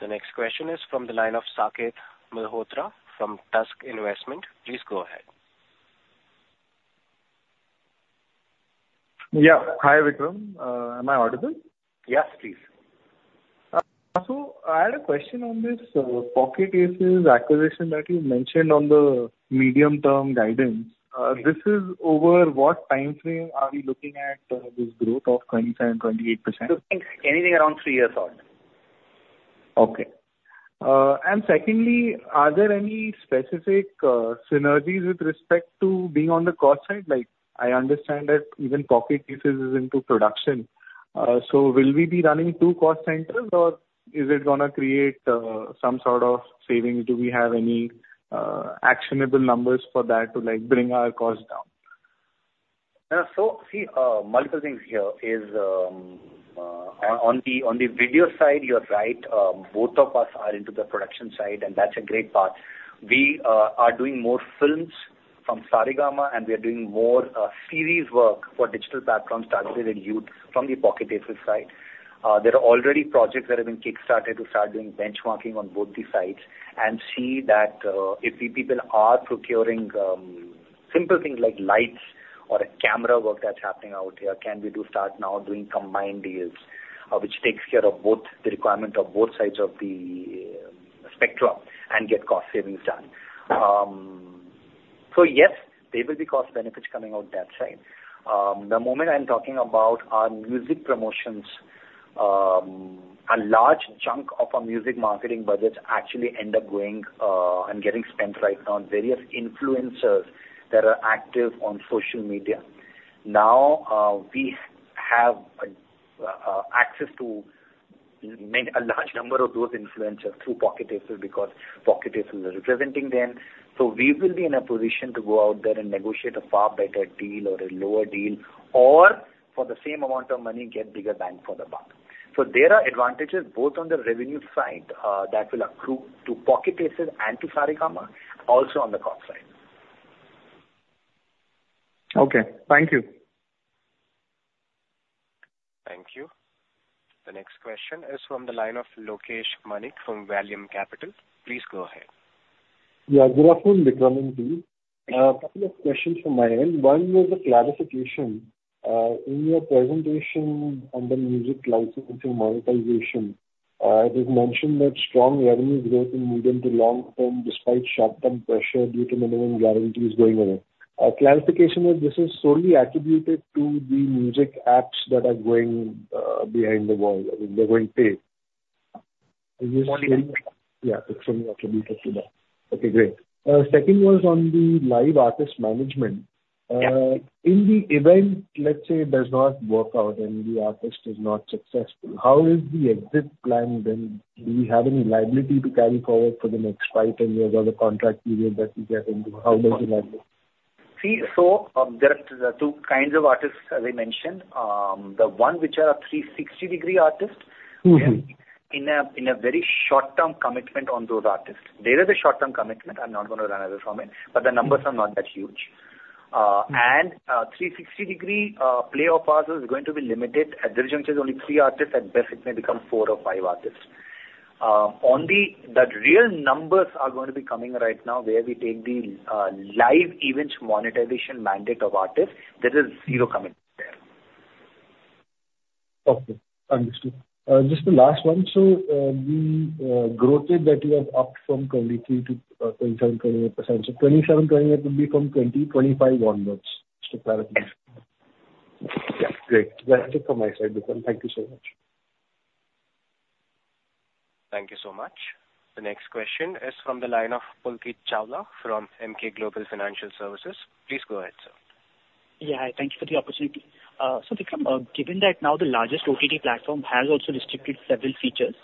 The next question is from the line of Saket Mehrotra from Tusk Investments. Please go ahead. Yeah. Hi, Vikram. Am I audible? Yes, please. I had a question on this, Pocket Aces acquisition that you mentioned on the medium-term guidance. This is over what time frame are we looking at, this growth of 27%-28%? Anything around three years out. Okay. And secondly, are there any specific synergies with respect to being on the cost side? Like, I understand that even Pocket Aces is into production. So will we be running two cost centers, or is it gonna create some sort of saving? Do we have any actionable numbers for that to, like, bring our costs down? See, multiple things here is on the video side, you're right, both of us are into the production side, and that's a great part. We are doing more films from Saregama, and we are doing more series work for digital platforms targeted at youth from the Pocket Aces side. There are already projects that have been kickstarted to start doing benchmarking on both the sides and see that, if the people are procuring, simple things like lights or camera work that's happening out here, can we do start now doing combined deals, which takes care of both, the requirement of both sides of the spectrum and get cost savings done. So yes, there will be cost benefits coming out that side. The moment I'm talking about our music promotions, a large chunk of our music marketing budgets actually end up going and getting spent right now on various influencers that are active on social media. Now, we have access to a large number of those influencers through Pocket Aces, because Pocket Aces are representing them. So we will be in a position to go out there and negotiate a far better deal or a lower deal, or for the same amount of money, get bigger bang for the buck. So there are advantages, both on the revenue side, that will accrue to Pocket Aces and to Saregama, also on the cost side. Okay, thank you. Thank you. The next question is from the line of Lokesh Manik from Vallum Capital. Please go ahead. Yeah, good afternoon, Vikram and team. Couple of questions from my end. One was a clarification. In your presentation on the music licensing monetization, it was mentioned that strong revenues growth in medium to long term, despite short-term pressure due to minimum guarantees going away. A clarification, was this is solely attributed to the music apps that are going behind the wall, they're going paid? Monetization.Yeah, it's only attributed to that. Okay, great. Second was on the live artist management. In the event, let's say, it does not work out and the artist is not successful, how is the exit plan then? Do we have any liability to carry forward for the next five, 10 years or the contract period that we get into? How does that work? See, so, there are two kinds of artists, as I mentioned. The one which are our 360-degree artists- Mm-hmm. We are in a very short-term commitment on those artists. There is a short-term commitment. I'm not going to run away from it, but the numbers are not that huge. 360-degree play of ours is going to be limited. At this juncture, there's only three artists, at best, it may become four or five artists. On the... The real numbers are going to be coming right now, where we take the live events monetization management of artists, there is zero commitment there. Okay, understood. Just the last one. So, the growth rate that you have upped from 23% to 27%, 28%. So 27%, 28% will be from 2025 onwards, just to clarify? Yeah. Great. That's it from my side, Vikram. Thank you so much. Thank you so much. The next question is from the line of Pulkit Chawla from Emkay Global Financial Services. Please go ahead, sir. Yeah, thank you for the opportunity. So Vikram, given that now the largest OTT platform has also restricted several features,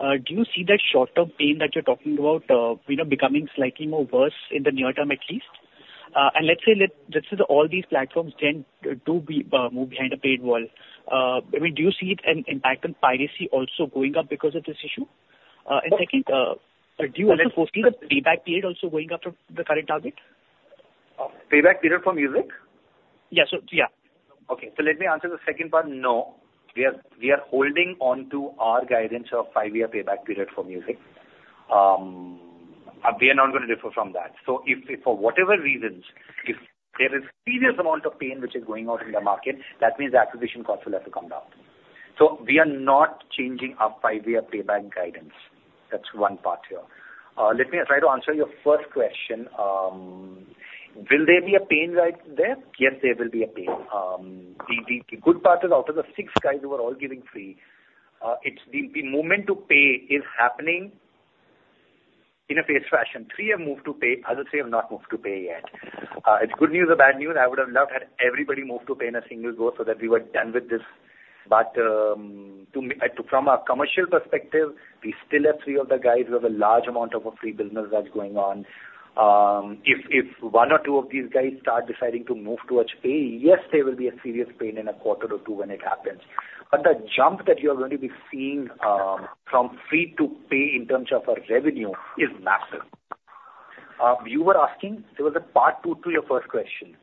do you see that short-term pain that you're talking about, you know, becoming slightly more worse in the near term, at least? And let's say that all these platforms then do be move behind a paid wall. I mean, do you see it an impact on piracy also going up because of this issue? And second, do you also foresee the payback period also going after the current target? Payback period for music? Yeah, so, yeah. Okay. So let me answer the second part. No, we are, we are holding on to our guidance of five-year payback period for music. We are not going to differ from that. So for whatever reasons, if there is serious amount of pain which is going out in the market, that means the acquisition cost will have to come down. So we are not changing our five-year payback guidance. That's one part here. Let me try to answer your first question. Will there be a pain right there? Yes, there will be a pain. The good part is, out of the six guys who are all giving free, it's the moment to pay is happening in a phased fashion. Three have moved to pay, other three have not moved to pay yet. It's good news or bad news. I would have loved had everybody move to pay in a single go so that we were done with this. But, to me, from a commercial perspective, we still have three of the guys who have a large amount of a free business that's going on. If one or two of these guys start deciding to move towards pay, yes, there will be a serious pain in a quarter or two when it happens. But the jump that you are going to be seeing, from free to pay in terms of our revenue is massive. You were asking, there was a part two to your first question.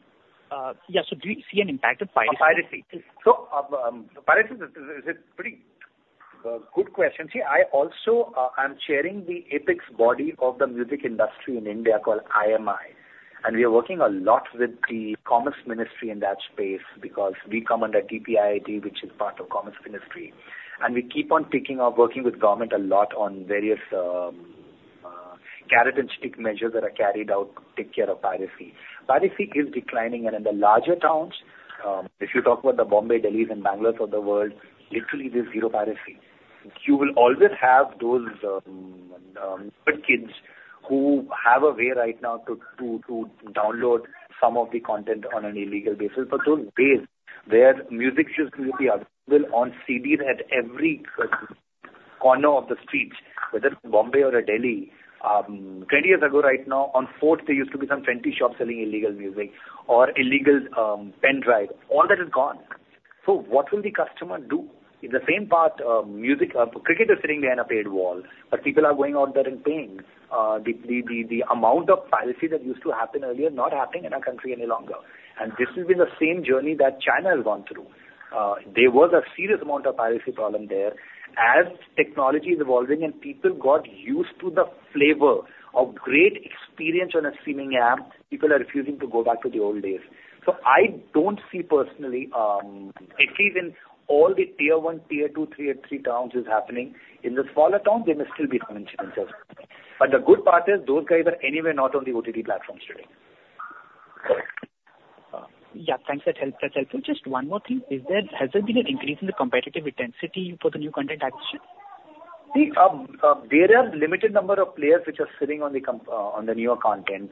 Yeah. So do you see an impact of piracy? Piracy is a pretty good question. See, I also, I'm chairing the apex body of the music industry in India called IMI, and we are working a lot with the Commerce Ministry in that space because we come under DPIIT, which is part of Commerce Ministry. And we keep on picking up, working with government a lot on various characteristic measures that are carried out to take care of piracy. Piracy is declining, and in the larger towns, if you talk about the Bombay, Delhi's and Bangalore's of the world, literally, there's zero piracy. You will always have those kids who have a way right now to download some of the content on an illegal basis. But those days, where music used to be available on CD, at every corner of the streets, whether it's Bombay or a Delhi, 20 years ago, right now, on Fort, there used to be some 20 shops selling illegal music or illegal pen drive. All that is gone. So what will the customer do? In the same part, music, cricket is sitting behind a paid wall, but people are going out there and paying. The amount of piracy that used to happen earlier, not happening in our country any longer. And this will be the same journey that China has gone through. There was a serious amount of piracy problem there. As technology is evolving and people got used to the flavor of great experience on a streaming app, people are refusing to go back to the old days. I don't see personally, at least in all the tier one, tier two, three and three towns, it's happening. In the smaller towns, there may still be some challenges. But the good part is, those guys are anyway not on the OTT platforms today. Correct. Yeah, thanks, that helps, that's helpful. Just one more thing: is there, has there been an increase in the competitive intensity for the new content acquisition? See, there are limited number of players which are sitting on the content.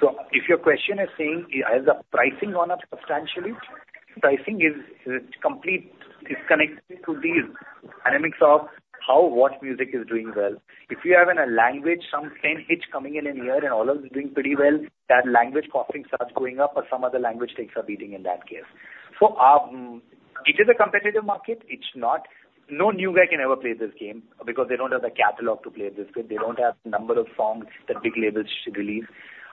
So if your question is saying, has the pricing gone up substantially? Pricing is completely disconnected to the dynamics of how, what music is doing well. If you have in a language, some trending hit coming in here, and all of it is doing pretty well, that language offering starts going up, or some other language takes a beating in that case. So, it is a competitive market, it's not. No new guy can ever play this game because they don't have the catalog to play this game. They don't have the number of songs that big labels should release.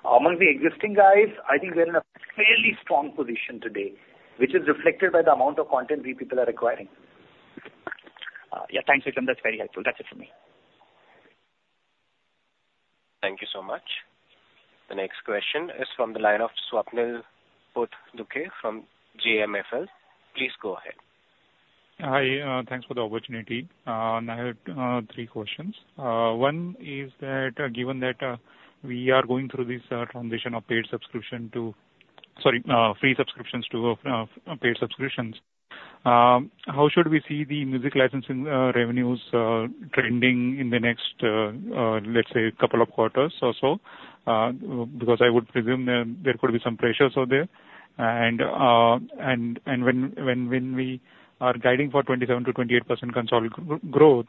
Among the existing guys, I think we're in a fairly strong position today, which is reflected by the amount of content we people are acquiring. Yeah, thanks, Vikram, that's very helpful. That's it for me. Thank you so much. The next question is from the line of Swapnil Potdukhe from JMFL. Please go ahead. Hi, thanks for the opportunity. I have three questions. One is that, given that we are going through this transition of free subscriptions to paid subscriptions, how should we see the music licensing revenues trending in the next couple of quarters or so? I would presume there could be some pressures out there. When we are guiding for 27%-28% consolidated growth,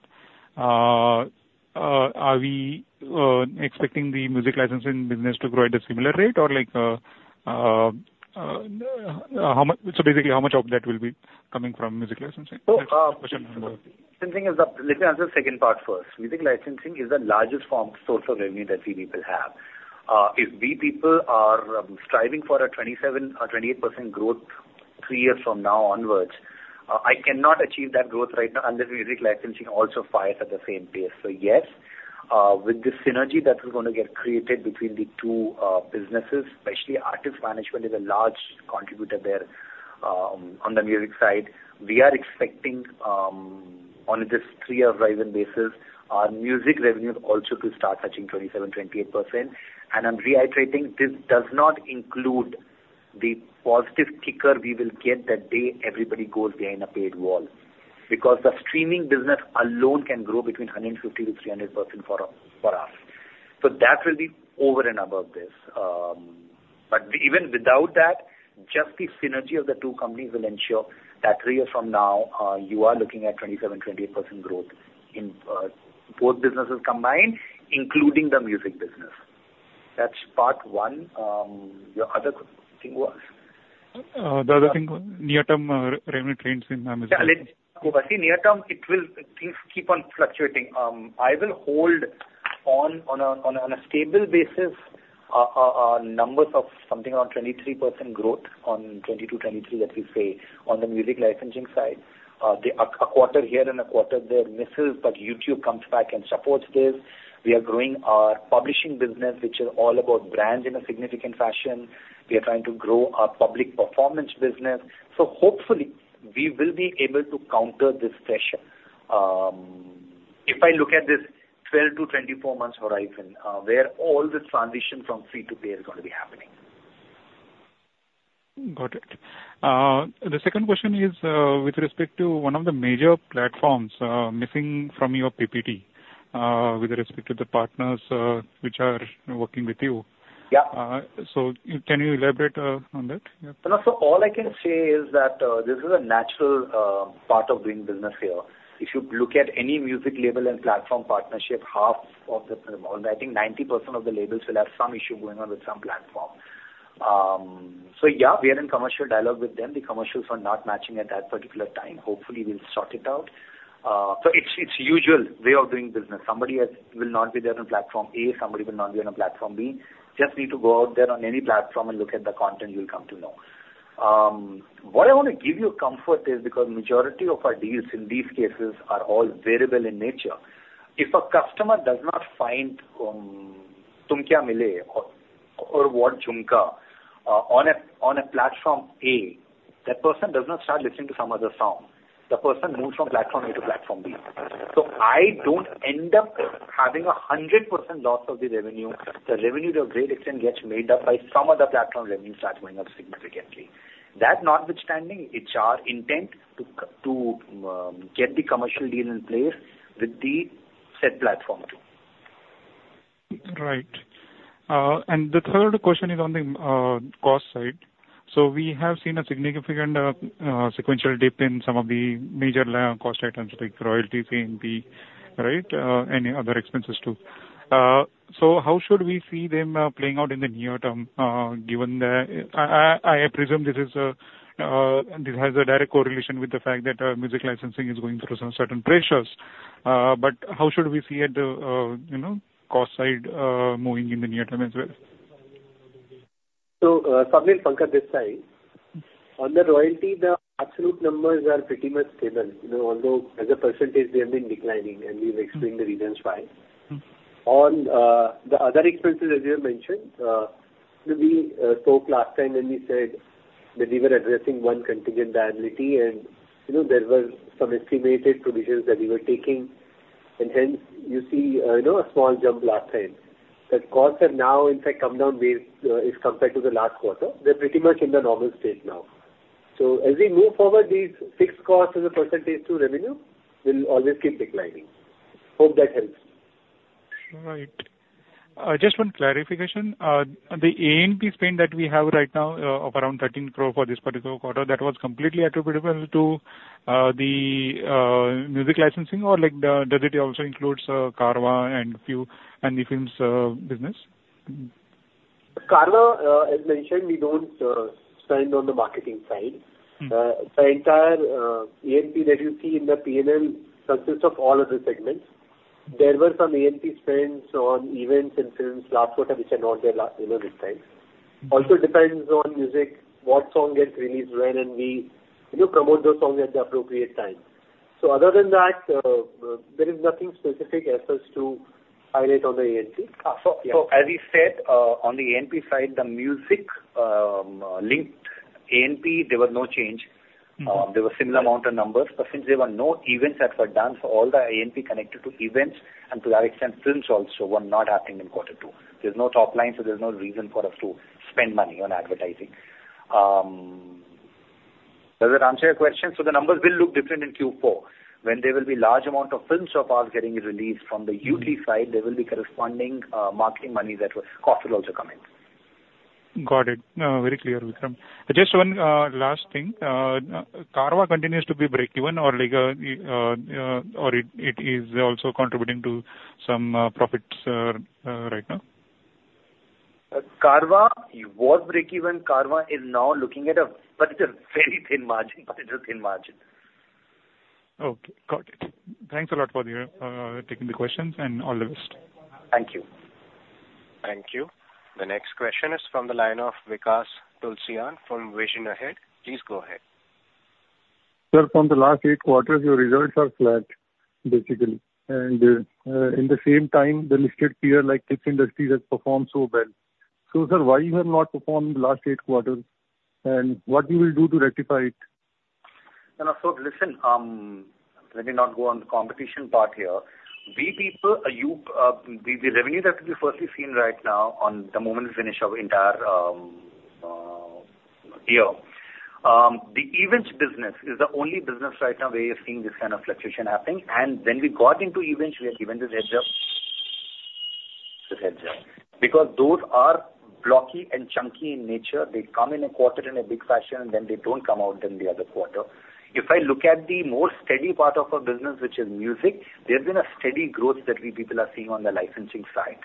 are we expecting the music licensing business to grow at a similar rate, or like, how much of that will be coming from music licensing? So, uh Question number- Let me answer the second part first. Music licensing is the largest form source of revenue that we people have. If we people are striving for a 27% or 28% growth three years from now onwards, I cannot achieve that growth right now, unless music licensing also fires at the same pace. So yes, with this synergy that is gonna get created between the two businesses, especially artist management is a large contributor there, on the music side. We are expecting, on this three-year horizon basis, our music revenues also to start touching 27%-28%. And I'm reiterating, this does not include the positive kicker we will get the day everybody goes behind a paid wall. Because the streaming business alone can grow between 150% to 300% for us. That will be over and above this. But even without that, just the synergy of the two companies will ensure that three years from now, you are looking at 27%-28% growth in both businesses combined, including the music business. That's part one. Your other question was? The other thing, near-term, revenue trends in music. Yeah, let's go. But see, near term, it will, things keep on fluctuating. I will hold on, on a stable basis, numbers of something around 23% growth on 2022, 2023, let me say, on the music licensing side. A quarter here and a quarter there misses, but YouTube comes back and supports this. We are growing our publishing business, which is all about brand in a significant fashion. We are trying to grow our public performance business. So hopefully, we will be able to counter this pressure, if I look at this 12-24 months horizon, where all the transition from free to pay is gonna be happening. Got it. The second question is, with respect to one of the major platforms, missing from your PPT, with respect to the partners, which are working with you. Yeah. Can you elaborate on that? Yeah. All I can say is that this is a natural part of doing business here. If you look at any music label and platform partnership, half of the... Well, I think 90% of the labels will have some issue going on with some platform. Yeah, we are in commercial dialogue with them. The commercials are not matching at that particular time. Hopefully, we'll sort it out. It's usual way of doing business. Somebody will not be there on platform A, somebody will not be on a platform B. Just need to go out there on any platform and look at the content, you'll come to know. What I want to give you a comfort is because majority of our deals in these cases are all variable in nature. If a customer does not find Tum Kya Mile or What Jhumka on a platform A, that person does not start listening to some other song. The person moves from platform A to platform B. So I don't end up having a 100% loss of the revenue. The revenue, to a great extent, gets made up by some other platform. Revenue starts going up significantly. That notwithstanding, it's our intent to get the commercial deal in place with the said platform too. Right. And the third question is on the cost side. So we have seen a significant sequential dip in some of the major cost items like royalty fee and the right any other expenses, too. So how should we see them playing out in the near term given that I presume this is this has a direct correlation with the fact that music licensing is going through some certain pressures. But how should we see it you know cost side moving in the near term as well? So, Swapnil, Pankaj this time. On the royalty, the absolute numbers are pretty much stable, you know, although as a percentage, they have been declining, and we've explained the reasons why. Mm-hmm. On the other expenses, as you have mentioned, we spoke last time when we said that we were addressing one contingent liability, and, you know, there were some estimated provisions that we were taking and then you see, you know, a small jump last time. But costs have now, in fact, come down way, if compared to the last quarter. They're pretty much in the normal state now. So as we move forward, these fixed costs as a percentage to revenue will always keep declining. Hope that helps. Right. Just one clarification. The A&P spend that we have right now, of around 13 crore for this particular quarter, that was completely attributable to the music licensing, or like, does it also includes Carvaan and Yoodlee, and the films business? Carvaan, as mentioned, we don't spend on the marketing side. Mm. The entire A&P that you see in the P&L consists of all other segments. There were some A&P spends on events and films last quarter, which are not there, you know, this time. Also depends on music, what song gets released when, and we, you know, promote those songs at the appropriate time. So other than that, there is nothing specific as such to highlight on the A&P. So as we said, on the A&P side, the music linked A&P, there was no change. Mm. There were similar amount of numbers, but since there were no events that were done, so all the A&P connected to events, and to that extent, films also, were not happening in quarter two. There's no top line, so there's no reason for us to spend money on advertising. Does that answer your question? So the numbers will look different in Q4, when there will be large amount of films of ours getting released. From the Yoodlee side, there will be corresponding, marketing money that will... cost will also come in. Got it. Very clear, Vikram. Just one last thing. Carvaan continues to be breakeven or like or it is also contributing to some profits right now? Carvaan was breakeven. Carvaan is now looking at a, but it's a very thin margin, but it's a thin margin. Okay, got it. Thanks a lot for your taking the questions, and all the best. Thank you. Thank you. The next question is from the line of Vikas Tulsyan from Vision Ahead. Please go ahead. Sir, from the last eight quarters, your results are flat, basically. And, in the same time, the listed peer, like Tips Industries, has performed so well. So sir, why you have not performed the last eight quarters, and what you will do to rectify it? So listen, let me not go on the competition part here. We people, are you, the, the revenue that you are firstly seeing right now on the moment we finish our entire, year. The events business is the only business right now where you're seeing this kind of fluctuation happening. When we got into events, we are given this hedge up, this hedge up, because those are blocky and chunky in nature. They come in a quarter in a big fashion, and then they don't come out in the other quarter. If I look at the more steady part of our business, which is music, there's been a steady growth that we people are seeing on the licensing side.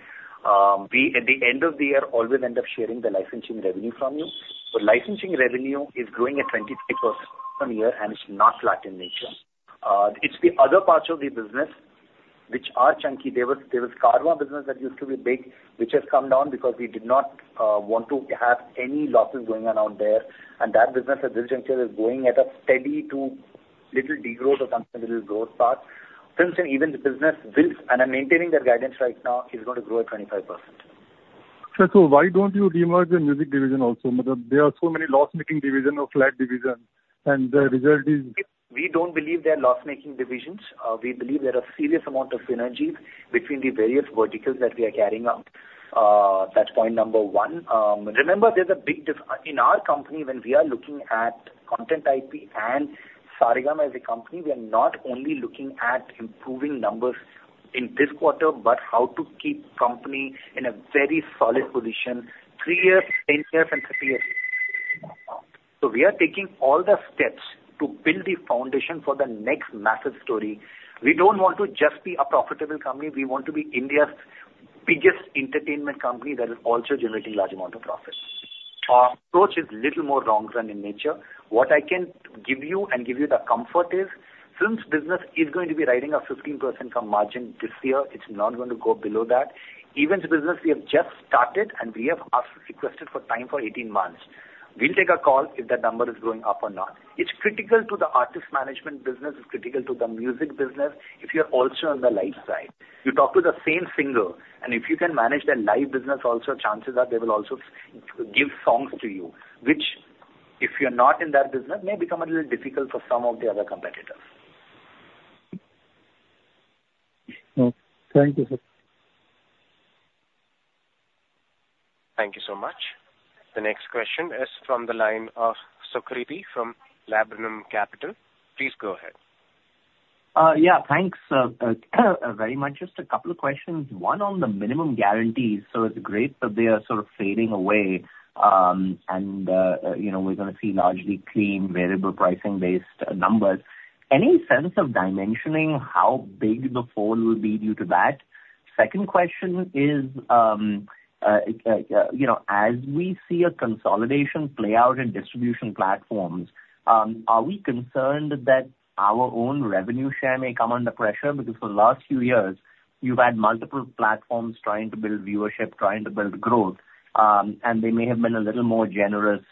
We, at the end of the year, always end up sharing the licensing revenue from you. So licensing revenue is growing at 25% year, and it's not flat in nature. It's the other parts of the business which are chunky. There was Carvaan business that used to be big, which has come down because we did not want to have any losses going on out there. And that business at this juncture is going at a steady to little degrowth or something, little growth path. Films and events business builds, and I'm maintaining that guidance right now, is going to grow at 25%. So why don't you demerge the music division also? There are so many loss-making division or flat divisions, and the result is- We don't believe they are loss-making divisions. We believe there are serious amount of synergies between the various verticals that we are carrying out. That's point number one. Remember, there's a big diff- In our company, when we are looking at content IP and Saregama as a company, we are not only looking at improving numbers in this quarter, but how to keep company in a very solid position, three years, 10 years, and 50 years. So we are taking all the steps to build the foundation for the next massive story. We don't want to just be a profitable company. We want to be India's biggest entertainment company that is also generating large amount of profits. Our approach is little more long-term in nature. What I can give you and give you the comfort is, films business is going to be riding a 15% margin this year. It's not going to go below that. Events business, we have just started, and we have asked, requested for time for 18 months. We'll take a call if that number is going up or not. It's critical to the artist management business, it's critical to the music business, if you're also on the live side. You talk to the same singer, and if you can manage their live business also, chances are they will also give songs to you, which, if you're not in that business, may become a little difficult for some of the other competitors. Oh, thank you, sir. Thank you so much. The next question is from the line of Sukriti from Laburnum Capital. Please go ahead. Yeah, thanks, very much. Just a couple of questions. One on the minimum guarantees. So it's great that they are sort of fading away, and, you know, we're gonna see largely clean, variable pricing-based numbers. Any sense of dimensioning, how big the fall will be due to that? Second question is, you know, as we see a consolidation play out in distribution platforms, are we concerned that our own revenue share may come under pressure? Because for the last few years, you've had multiple platforms trying to build viewership, trying to build growth, and they may have been a little more generous,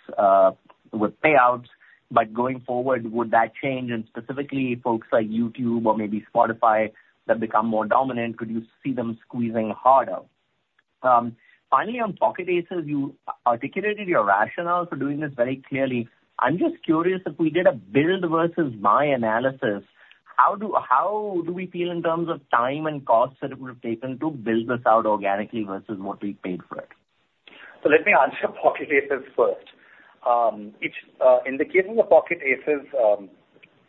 with payouts. But going forward, would that change? And specifically folks like YouTube or maybe Spotify that become more dominant, could you see them squeezing harder? Finally, on Pocket Aces, you articulated your rationale for doing this very clearly. I'm just curious, if we did a build versus buy analysis, how do we feel in terms of time and cost that it would have taken to build this out organically versus what we paid for it? Let me answer Pocket Aces first. It's in the case of the Pocket Aces,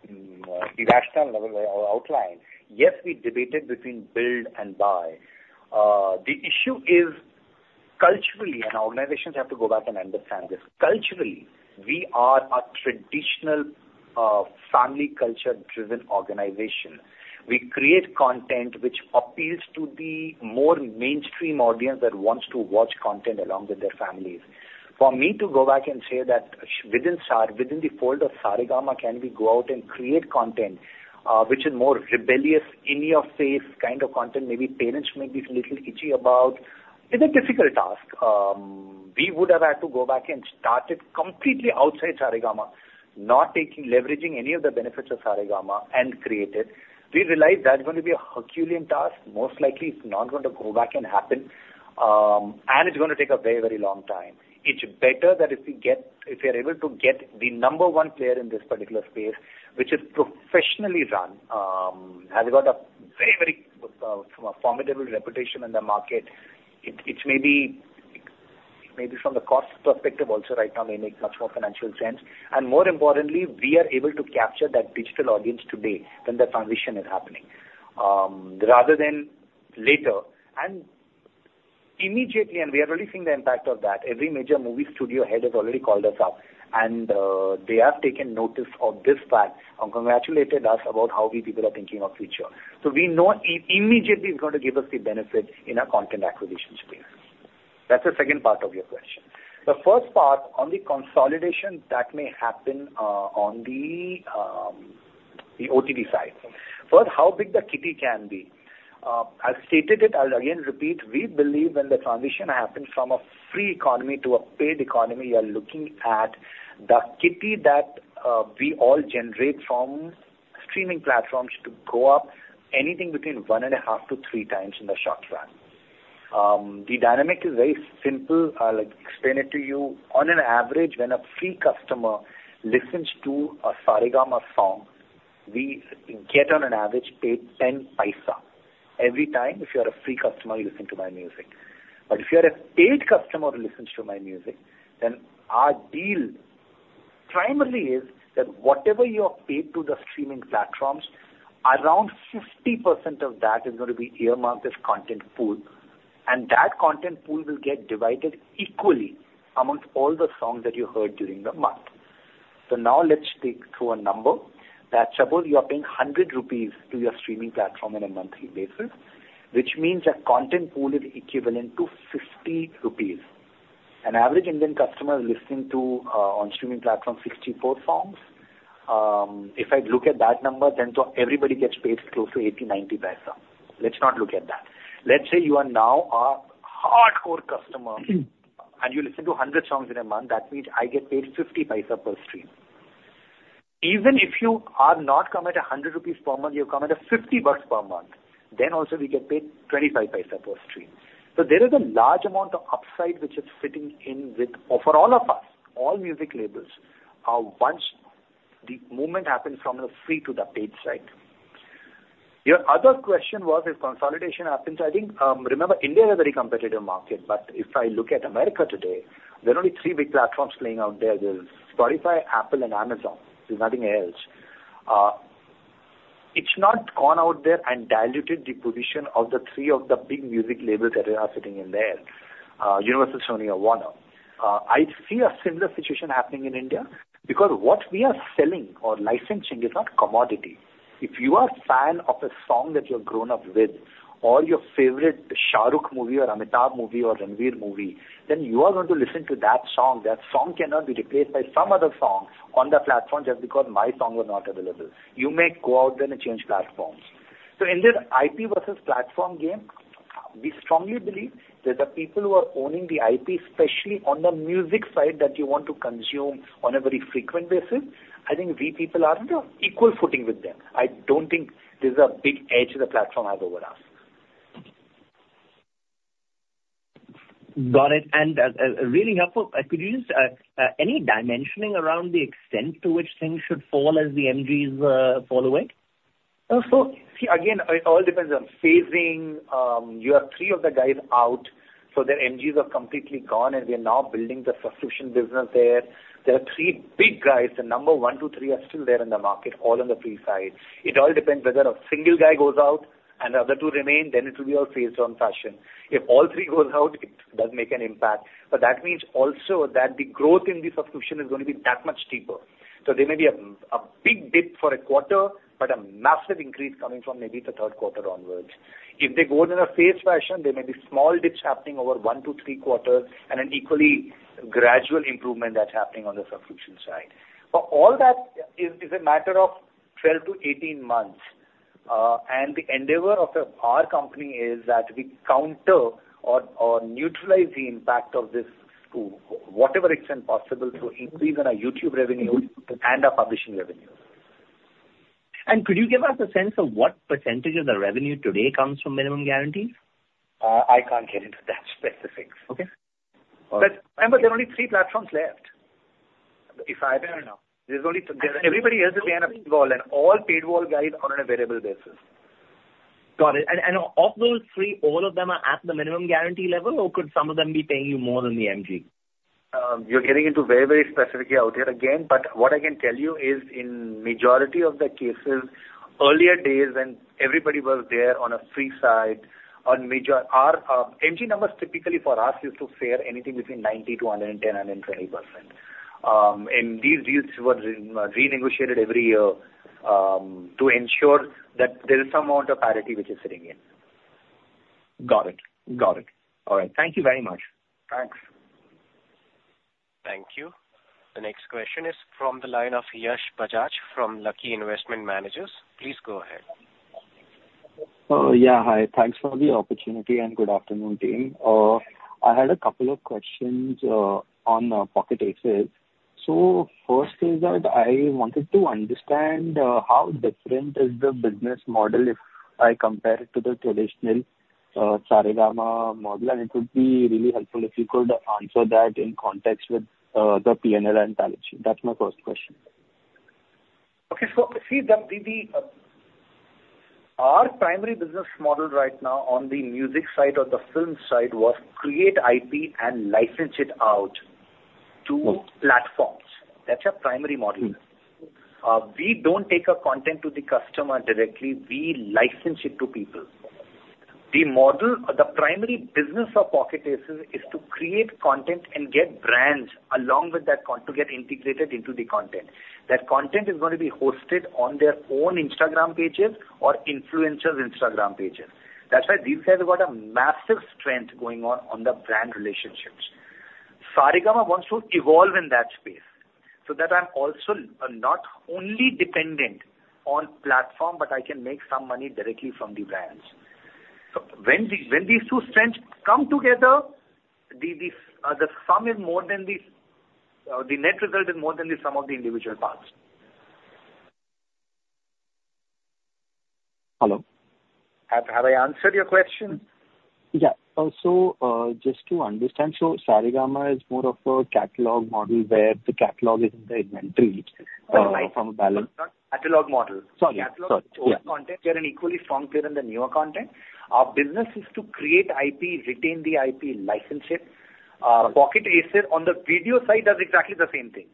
the rationale or outline, yes, we debated between build and buy. The issue is culturally, and organizations have to go back and understand this, culturally, we are a traditional, family culture-driven organization. We create content which appeals to the more mainstream audience that wants to watch content along with their families. For me to go back and say that within the fold of Saregama, can we go out and create content, which is more rebellious, in your face kind of content, maybe parents may be a little itchy about, is a difficult task. We would have had to go back and start it completely outside Saregama, not taking...Leveraging any of the benefits of Saregama and create it. We realized that's going to be a Herculean task. Most likely, it's not going to go back and happen, and it's going to take a very, very long time. It's better that if we get—if we are able to get the number one player in this particular space, which is professionally run, has got a very, very formidable reputation in the market, it may be, maybe from the cost perspective also right now may make much more financial sense. More importantly, we are able to capture that digital audience today when the transition is happening, rather than later. Immediately, and we are already seeing the impact of that, every major movie studio head has already called us up, and they have taken notice of this fact and congratulated us about how we people are thinking of future. So we know immediately it's going to give us the benefit in our content acquisition space. That's the second part of your question. The first part, on the consolidation that may happen, on the OTT side. First, how big the kitty can be? I've stated it, I'll again repeat: we believe when the transition happens from a free economy to a paid economy, we are looking at the kitty that we all generate from streaming platforms to go up anything between 1.5-3x in the short run. The dynamic is very simple. I'll, like, explain it to you. On average, when a free customer listens to a Saregama song, we get on average eight to 10 paise. Every time, if you are a free customer, you listen to my music. But if you are a paid customer who listens to my music, then our deal primarily is that whatever you have paid to the streaming platforms, around 50% of that is going to be earmarked as content pool, and that content pool will get divided equally among all the songs that you heard during the month. So now let's speak through a number, that suppose you are paying 100 rupees to your streaming platform on a monthly basis, which means that content pool is equivalent to 50 rupees. An average Indian customer is listening to on streaming platform, 64 songs. If I look at that number, then so everybody gets paid close to 0.80-0.90. Let's not look at that. Let's say you are now a hardcore customer, and you listen to 100 songs in a month, that means I get paid 0.50 per stream. Even if you are not come at 100 rupees per month, you come at INR 50 per month, then also we get paid 0.25 per stream. So there is a large amount of upside which is fitting in with... or for all of us, all music labels, once the movement happens from the free to the paid side. Your other question was, if consolidation happens, I think, remember, India is a very competitive market, but if I look at America today, there are only three big platforms playing out there. There's Spotify, Apple and Amazon. There's nothing else. It's not gone out there and diluted the position of the three of the big music labels that are sitting in there, Universal, Sony or Warner. I see a similar situation happening in India, because what we are selling or licensing is not commodity. If you are a fan of a song that you have grown up with, or your favorite Shah Rukh movie or Amitabh movie or Ranveer movie, then you are going to listen to that song. That song cannot be replaced by some other song on the platform just because my song was not available. You may go out there and change platforms. So in this IP versus platform game, we strongly believe that the people who are owning the IP, especially on the music side, that you want to consume on a very frequent basis, I think we people are on equal footing with them. I don't think there's a big edge the platform has over us. Got it. Really helpful. Could you just any dimensioning around the extent to which things should fall as the MGs fall away? So, see, again, it all depends on phasing. You have three of the guys out, so their MGs are completely gone, and we are now building the subscription business there. There are three big guys, the number one, two, three are still there in the market, all on the free side. It all depends whether a single guy goes out and the other two remain, then it will be all phased on fashion. If all three goes out, it does make an impact, but that means also that the growth in the subscription is going to be that much steeper. So there may be a big dip for a quarter, but a massive increase coming from maybe the third quarter onwards. If they go in a phased fashion, there may be small dips happening over one to three quarters and an equally gradual improvement that's happening on the subscription side. But all that is, is a matter of 12-18 months, and the endeavor of the, our company is that we counter or, or neutralize the impact of this to whatever extent possible to increase on our YouTube revenue and our publishing revenue. And could you give us a sense of what percentage of the revenue today comes from minimum guarantees? I can't get into that specifics. Okay. But- But there are only three platforms left. If I- I don't know. There's only, everybody else is behind a paid wall, and all paid wall guys are on a variable basis. Got it. And, and of those three, all of them are at the minimum guarantee level, or could some of them be paying you more than the MG? You're getting into very, very specifically out there again, but what I can tell you is in majority of the cases, earlier days when everybody was there on a free side, on major... Our MG numbers typically for us used to fare anything between 90-110, and then 20%. And these deals were renegotiated every year, to ensure that there is some amount of parity which is sitting in. Got it. Got it. All right. Thank you very much. Thanks. Thank you. The next question is from the line of Yash Bajaj from Lucky Investment Managers. Please go ahead. Yeah, hi. Thanks for the opportunity and good afternoon, team. I had a couple of questions on Pocket Aces. So first is that I wanted to understand how different is the business model if I compare it to the traditional Saregama model? It would be really helpful if you could answer that in context with the P&L and balance sheet. That's my first question. Okay, so see, our primary business model right now on the music side or the film side was create IP and license it out to platforms. Mm. That's our primary model. Mm. We don't take our content to the customer directly, we license it to people. The model, the primary business of Pocket Aces is to create content and get brands along with that content to get integrated into the content. That content is going to be hosted on their own Instagram pages or influencers' Instagram pages. That's why these guys have got a massive strength going on, on the brand relationships. Saregama wants to evolve in that space, so that I'm also not only dependent on platform, but I can make some money directly from the brands. So when these two strengths come together, the net result is more than the sum of the individual parts. Hello? Have I answered your question? Yeah. Also, just to understand, so Saregama is more of a catalog model where the catalog is in the inventory from a balance- Catalog model. Sorry. Catalog- Sorry. Yeah. Old content. We are an equally strong player in the newer content. Our business is to create IP, retain the IP, license it. Pocket Aces, on the video side, does exactly the same thing.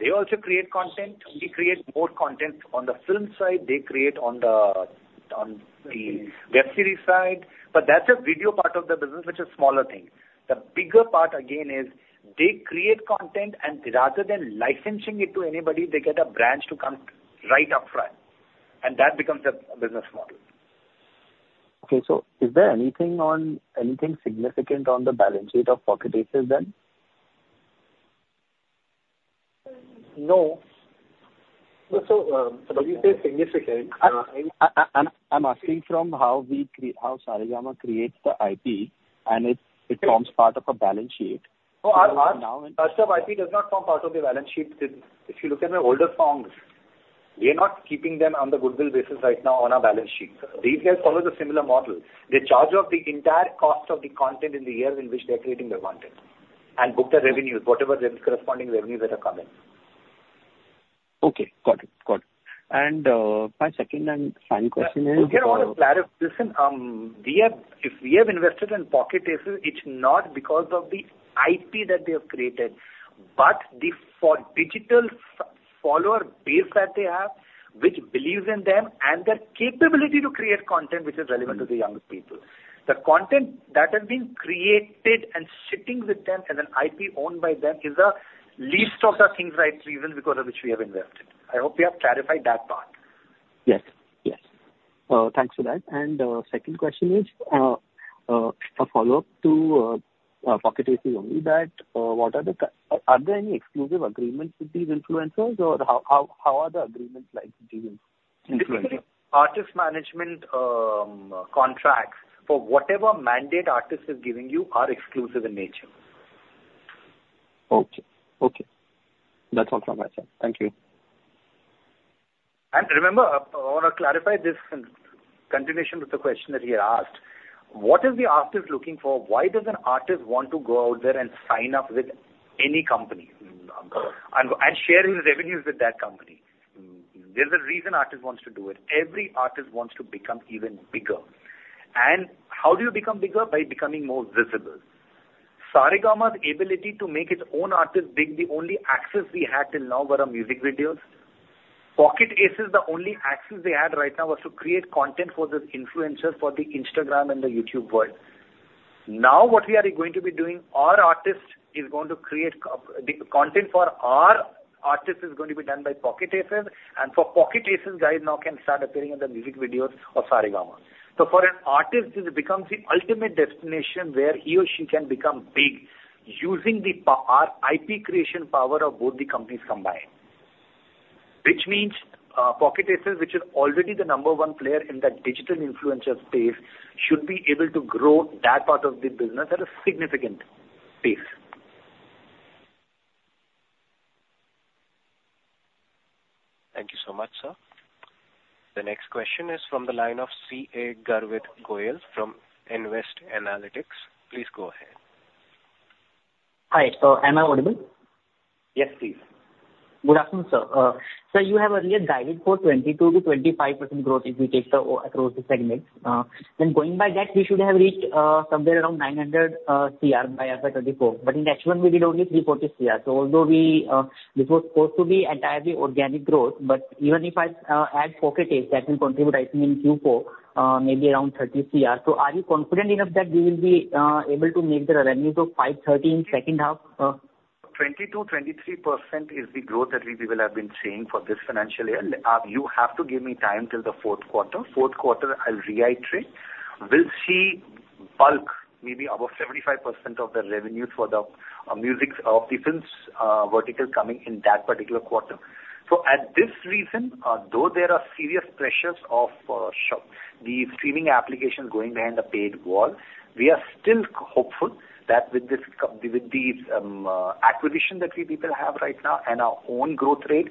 They also create content. We create more content on the film side, they create on the web series side, but that's a video part of the business, which is smaller thing. The bigger part again, is they create content and rather than licensing it to anybody, they get a brand to come right up front, and that becomes a business model. Okay. So is there anything on, anything significant on the balance sheet of Pocket Aces then? No. So, when you say significant I'm asking from how we create... How Saregama creates the IP, and it- Okay. It forms part of a balance sheet. No, our Now, and- Our IP does not form part of the balance sheet. If you look at the older songs, we are not keeping them on the goodwill basis right now on our balance sheet. These guys follow the similar model. They charge off the entire cost of the content in the year in which they are creating the content, and book the revenues, whatever the corresponding revenues that are coming. Okay, got it. Got it. And, my second and final question is, Look, here I want to clarify. Listen, we have – if we have invested in Pocket Aces, it's not because of the IP that they have created, but for the digital follower base that they have, which believes in them and their capability to create content which is relevant to the young people. The content that has been created and sitting with them, and an IP owned by them, is the least of the things right reason because of which we have invested. I hope we have clarified that part. Yes. Yes. Thanks for that. And second question is a follow-up to Pocket Aces only that, are there any exclusive agreements with these influencers or how are the agreements like with the influencers? Artist Management contracts for whatever mandate artist is giving you are exclusive in nature. Okay. Okay. That's all from my side. Thank you. Remember, I want to clarify this in continuation with the question that he asked: What is the artist looking for? Why does an artist want to go out there and sign up with any company, and share his revenues with that company? There's a reason artist wants to do it. Every artist wants to become even bigger. How do you become bigger? By becoming more visible. Saregama's ability to make its own artist big, the only access we had till now were our music videos. Pocket Aces, the only access they had right now was to create content for those influencers, for the Instagram and the YouTube world. Now, what we are going to be doing, our artist is going to create the content for our artist is going to be done by Pocket Aces, and for Pocket Aces guys now can start appearing in the music videos of Saregama. So for an artist, this becomes the ultimate destination where he or she can become big, using our IP creation power of both the companies combined. Which means, Pocket Aces, which is already the number one player in the digital influencer space, should be able to grow that part of the business at a significant pace. Thank you so much, sir. The next question is from the line of CA Garvit Goyal from Nvest Analytics. Please go ahead. Hi. So am I audible? Yes, please. Good afternoon, sir. So you have earlier guided for 22%-25% growth if you take the overall across the segment. Then going by that, we should have reached somewhere around 900 crore by FY 2024, but actually we did only 340 crore. So although we, this was supposed to be entirely organic growth, but even if I add Pocket Aces, that will contribute, I think, in Q4, maybe around 30 crore. So are you confident enough that we will be able to make the revenue to 530 crore in second half? 20%-23% is the growth that we people have been seeing for this financial year. You have to give me time till the fourth quarter. Fourth quarter, I'll reiterate, we'll see bulk, maybe about 75% of the revenue for the music or films vertical coming in that particular quarter. So at this reason, though there are serious pressures of Spotify, the streaming application going behind the paid wall, we are still hopeful that with these acquisition that we people have right now and our own growth rate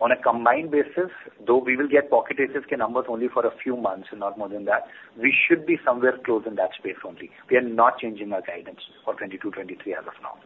on a combined basis, though we will get Pocket Aces numbers only for a few months and not more than that, we should be somewhere close in that space only. We are not changing our guidance for 2022-2023 as of now.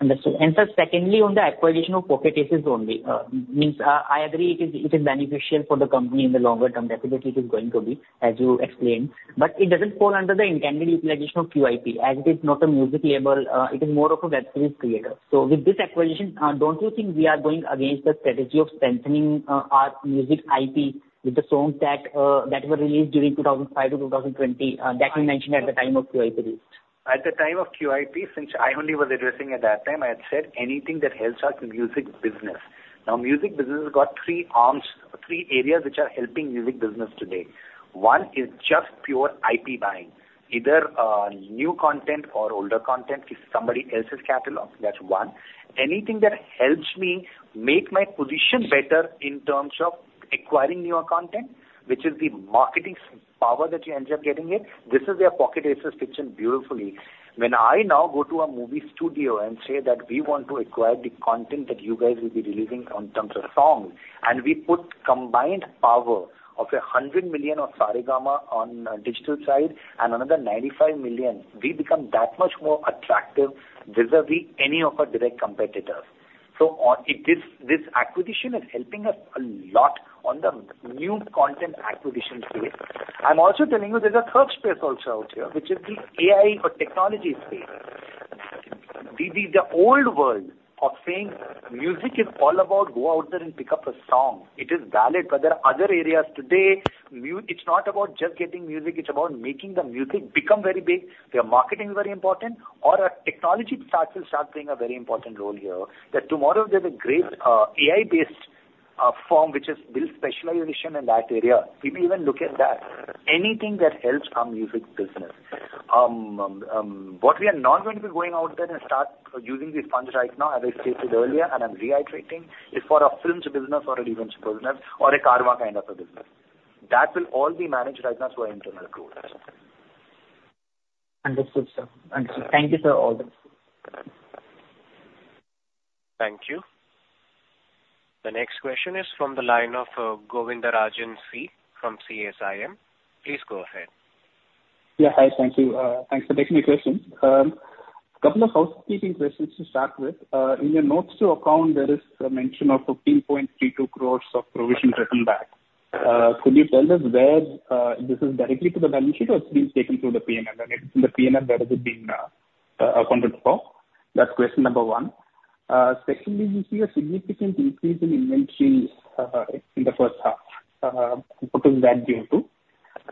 Understood. Sir, secondly, on the acquisition of Pocket Aces only, I agree it is, it is beneficial for the company in the longer term. Definitely it is going to be, as you explained, but it doesn't fall under the intended utilization of QIP, as it is not a music label, it is more of a web series creator. So with this acquisition, don't you think we are going against the strategy of strengthening our music IP with the songs that that were released during 2005-2020, that you mentioned at the time of QIP release? At the time of QIP, since I only was addressing at that time, I had said anything that helps our music business. Now, music business has got three arms, three areas which are helping music business today. One is just pure IP buying, either new content or older content is somebody else's catalog, that's one. Anything that helps me make my position better in terms of acquiring newer content, which is the marketing power that you end up getting it, this is where Pocket Aces fits in beautifully. When I now go to a movie studio and say that we want to acquire the content that you guys will be releasing in terms of songs, and we put combined power of 100,000,000 on Saregama on digital side and another 95,000,000, we become that much more attractive vis-a-vis any of our direct competitors. So on this acquisition is helping us a lot on the new content acquisition space. I'm also telling you, there's a third space also out here, which is the AI or technology space. The old world of saying music is all about go out there and pick up a song. It is valid, but there are other areas today, it's not about just getting music, it's about making the music become very big, where marketing is very important, or our technology partners start playing a very important role here. That tomorrow there's a great AI-based firm which is built specialization in that area, we may even look at that. Anything that helps our music business. What we are not going to be going out there and start using these funds right now, as I stated earlier, and I'm reiterating, is for a films business or an events business or a Carvaan kind of a business. That will all be managed right now through our internal growth. Understood, sir. Understood. Thank you, sir, for all this. Thank you. The next question is from the line of Govindarajan C from CSIM. Please go ahead. Yeah, hi. Thank you. Thanks for taking my question. Couple of housekeeping questions to start with. In your notes to account, there is a mention of 15.32 crores of provision written back. Could you tell us where this is directly to the balance sheet, or it's been taken through the P&L? And if in the P&L, where is it being accounted for? That's question number one. Secondly, we see a significant increase in inventory in the first half. What is that due to?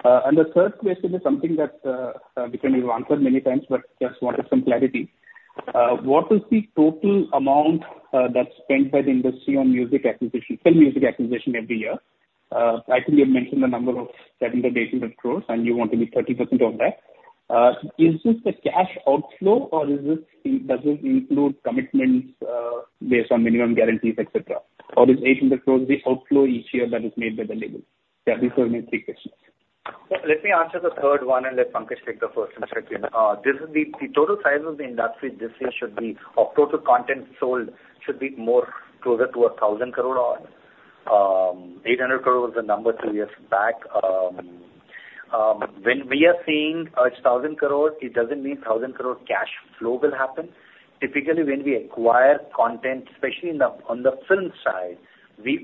And the third question is something that which you may have answered many times, but just wanted some clarity. What is the total amount that's spent by the industry on music acquisition, film music acquisition every year? I think you've mentioned the number of 700-800 crores, and you want to be 30% of that. Is this the cash outflow or is this, does this include commitments based on minimum guarantees, et cetera? Or is 800 crores the outflow each year that is made by the label? Yeah, these are my three questions. So let me answer the third one, and let Pankaj take the first and second. This is the total size of the industry this year should be, of total content sold, should be more closer to 1,000 crore odd. 800 crore was the number two years back. When we are saying 1,000 crore, it doesn't mean thousand crore cash flow will happen. Typically, when we acquire content, especially in the on the film side, the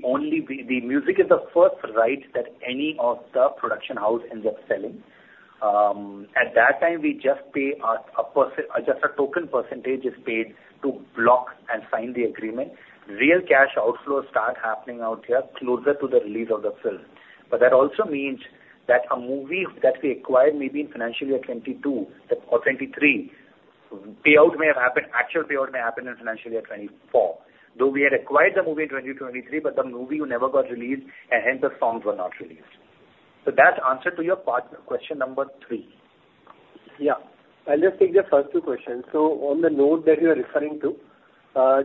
music is the first right that any of the production house ends up selling. At that time, we just pay just a token percentage is paid to block and sign the agreement. Real cash outflows start happening out here closer to the release of the film. But that also means that a movie that we acquired maybe in financial year 2022 or 2023, payout may have happened, actual payout may happen in financial year 2024. Though we had acquired the movie in 2023, but the movie never got released, and hence the songs were not released. So that's answer to your part, question number three. Yeah. I'll just take the first two questions. So on the note that you are referring to,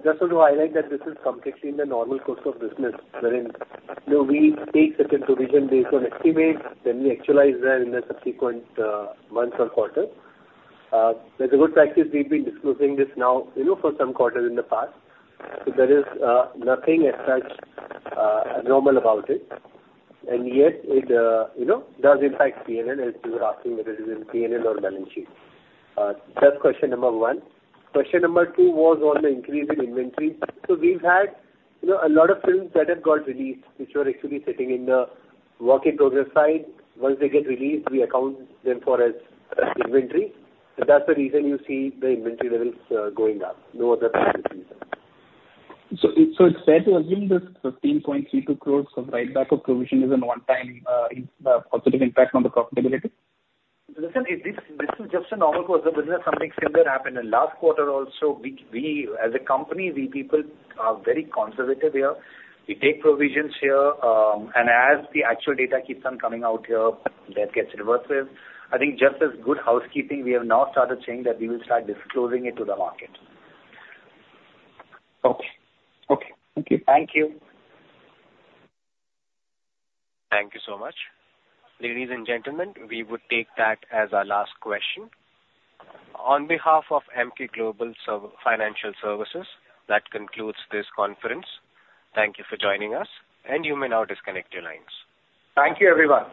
just to highlight that this is completely in the normal course of business, wherein, you know, we take certain provision based on estimates, then we actualize that in the subsequent months or quarters. That's a good practice. We've been disclosing this now, you know, for some quarters in the past. So there is nothing as such abnormal about it. And yet it, you know, does impact P&L, as you were asking whether it is in P&L or balance sheet. That's question number one. Question number two was on the increase in inventory. So we've had, you know, a lot of films that have got released, which were actually sitting in the work in progress side. Once they get released, we account them for as inventory. That's the reason you see the inventory levels going up. No other reason. It's fair to assume this 15.32 crores of write back of provision is a one-time positive impact on the profitability? Listen, this is just a normal course of business. Something similar happened in last quarter also. We, as a company, we people are very conservative here. We take provisions here, and as the actual data keeps on coming out here, that gets reversed. I think just as good housekeeping, we have now started saying that we will start disclosing it to the market. Okay. Okay. Thank you. Thank you. Thank you so much. Ladies and gentlemen, we would take that as our last question. On behalf of Emkay Global Financial Services, that concludes this conference. Thank you for joining us, and you may now disconnect your lines. Thank you, everyone.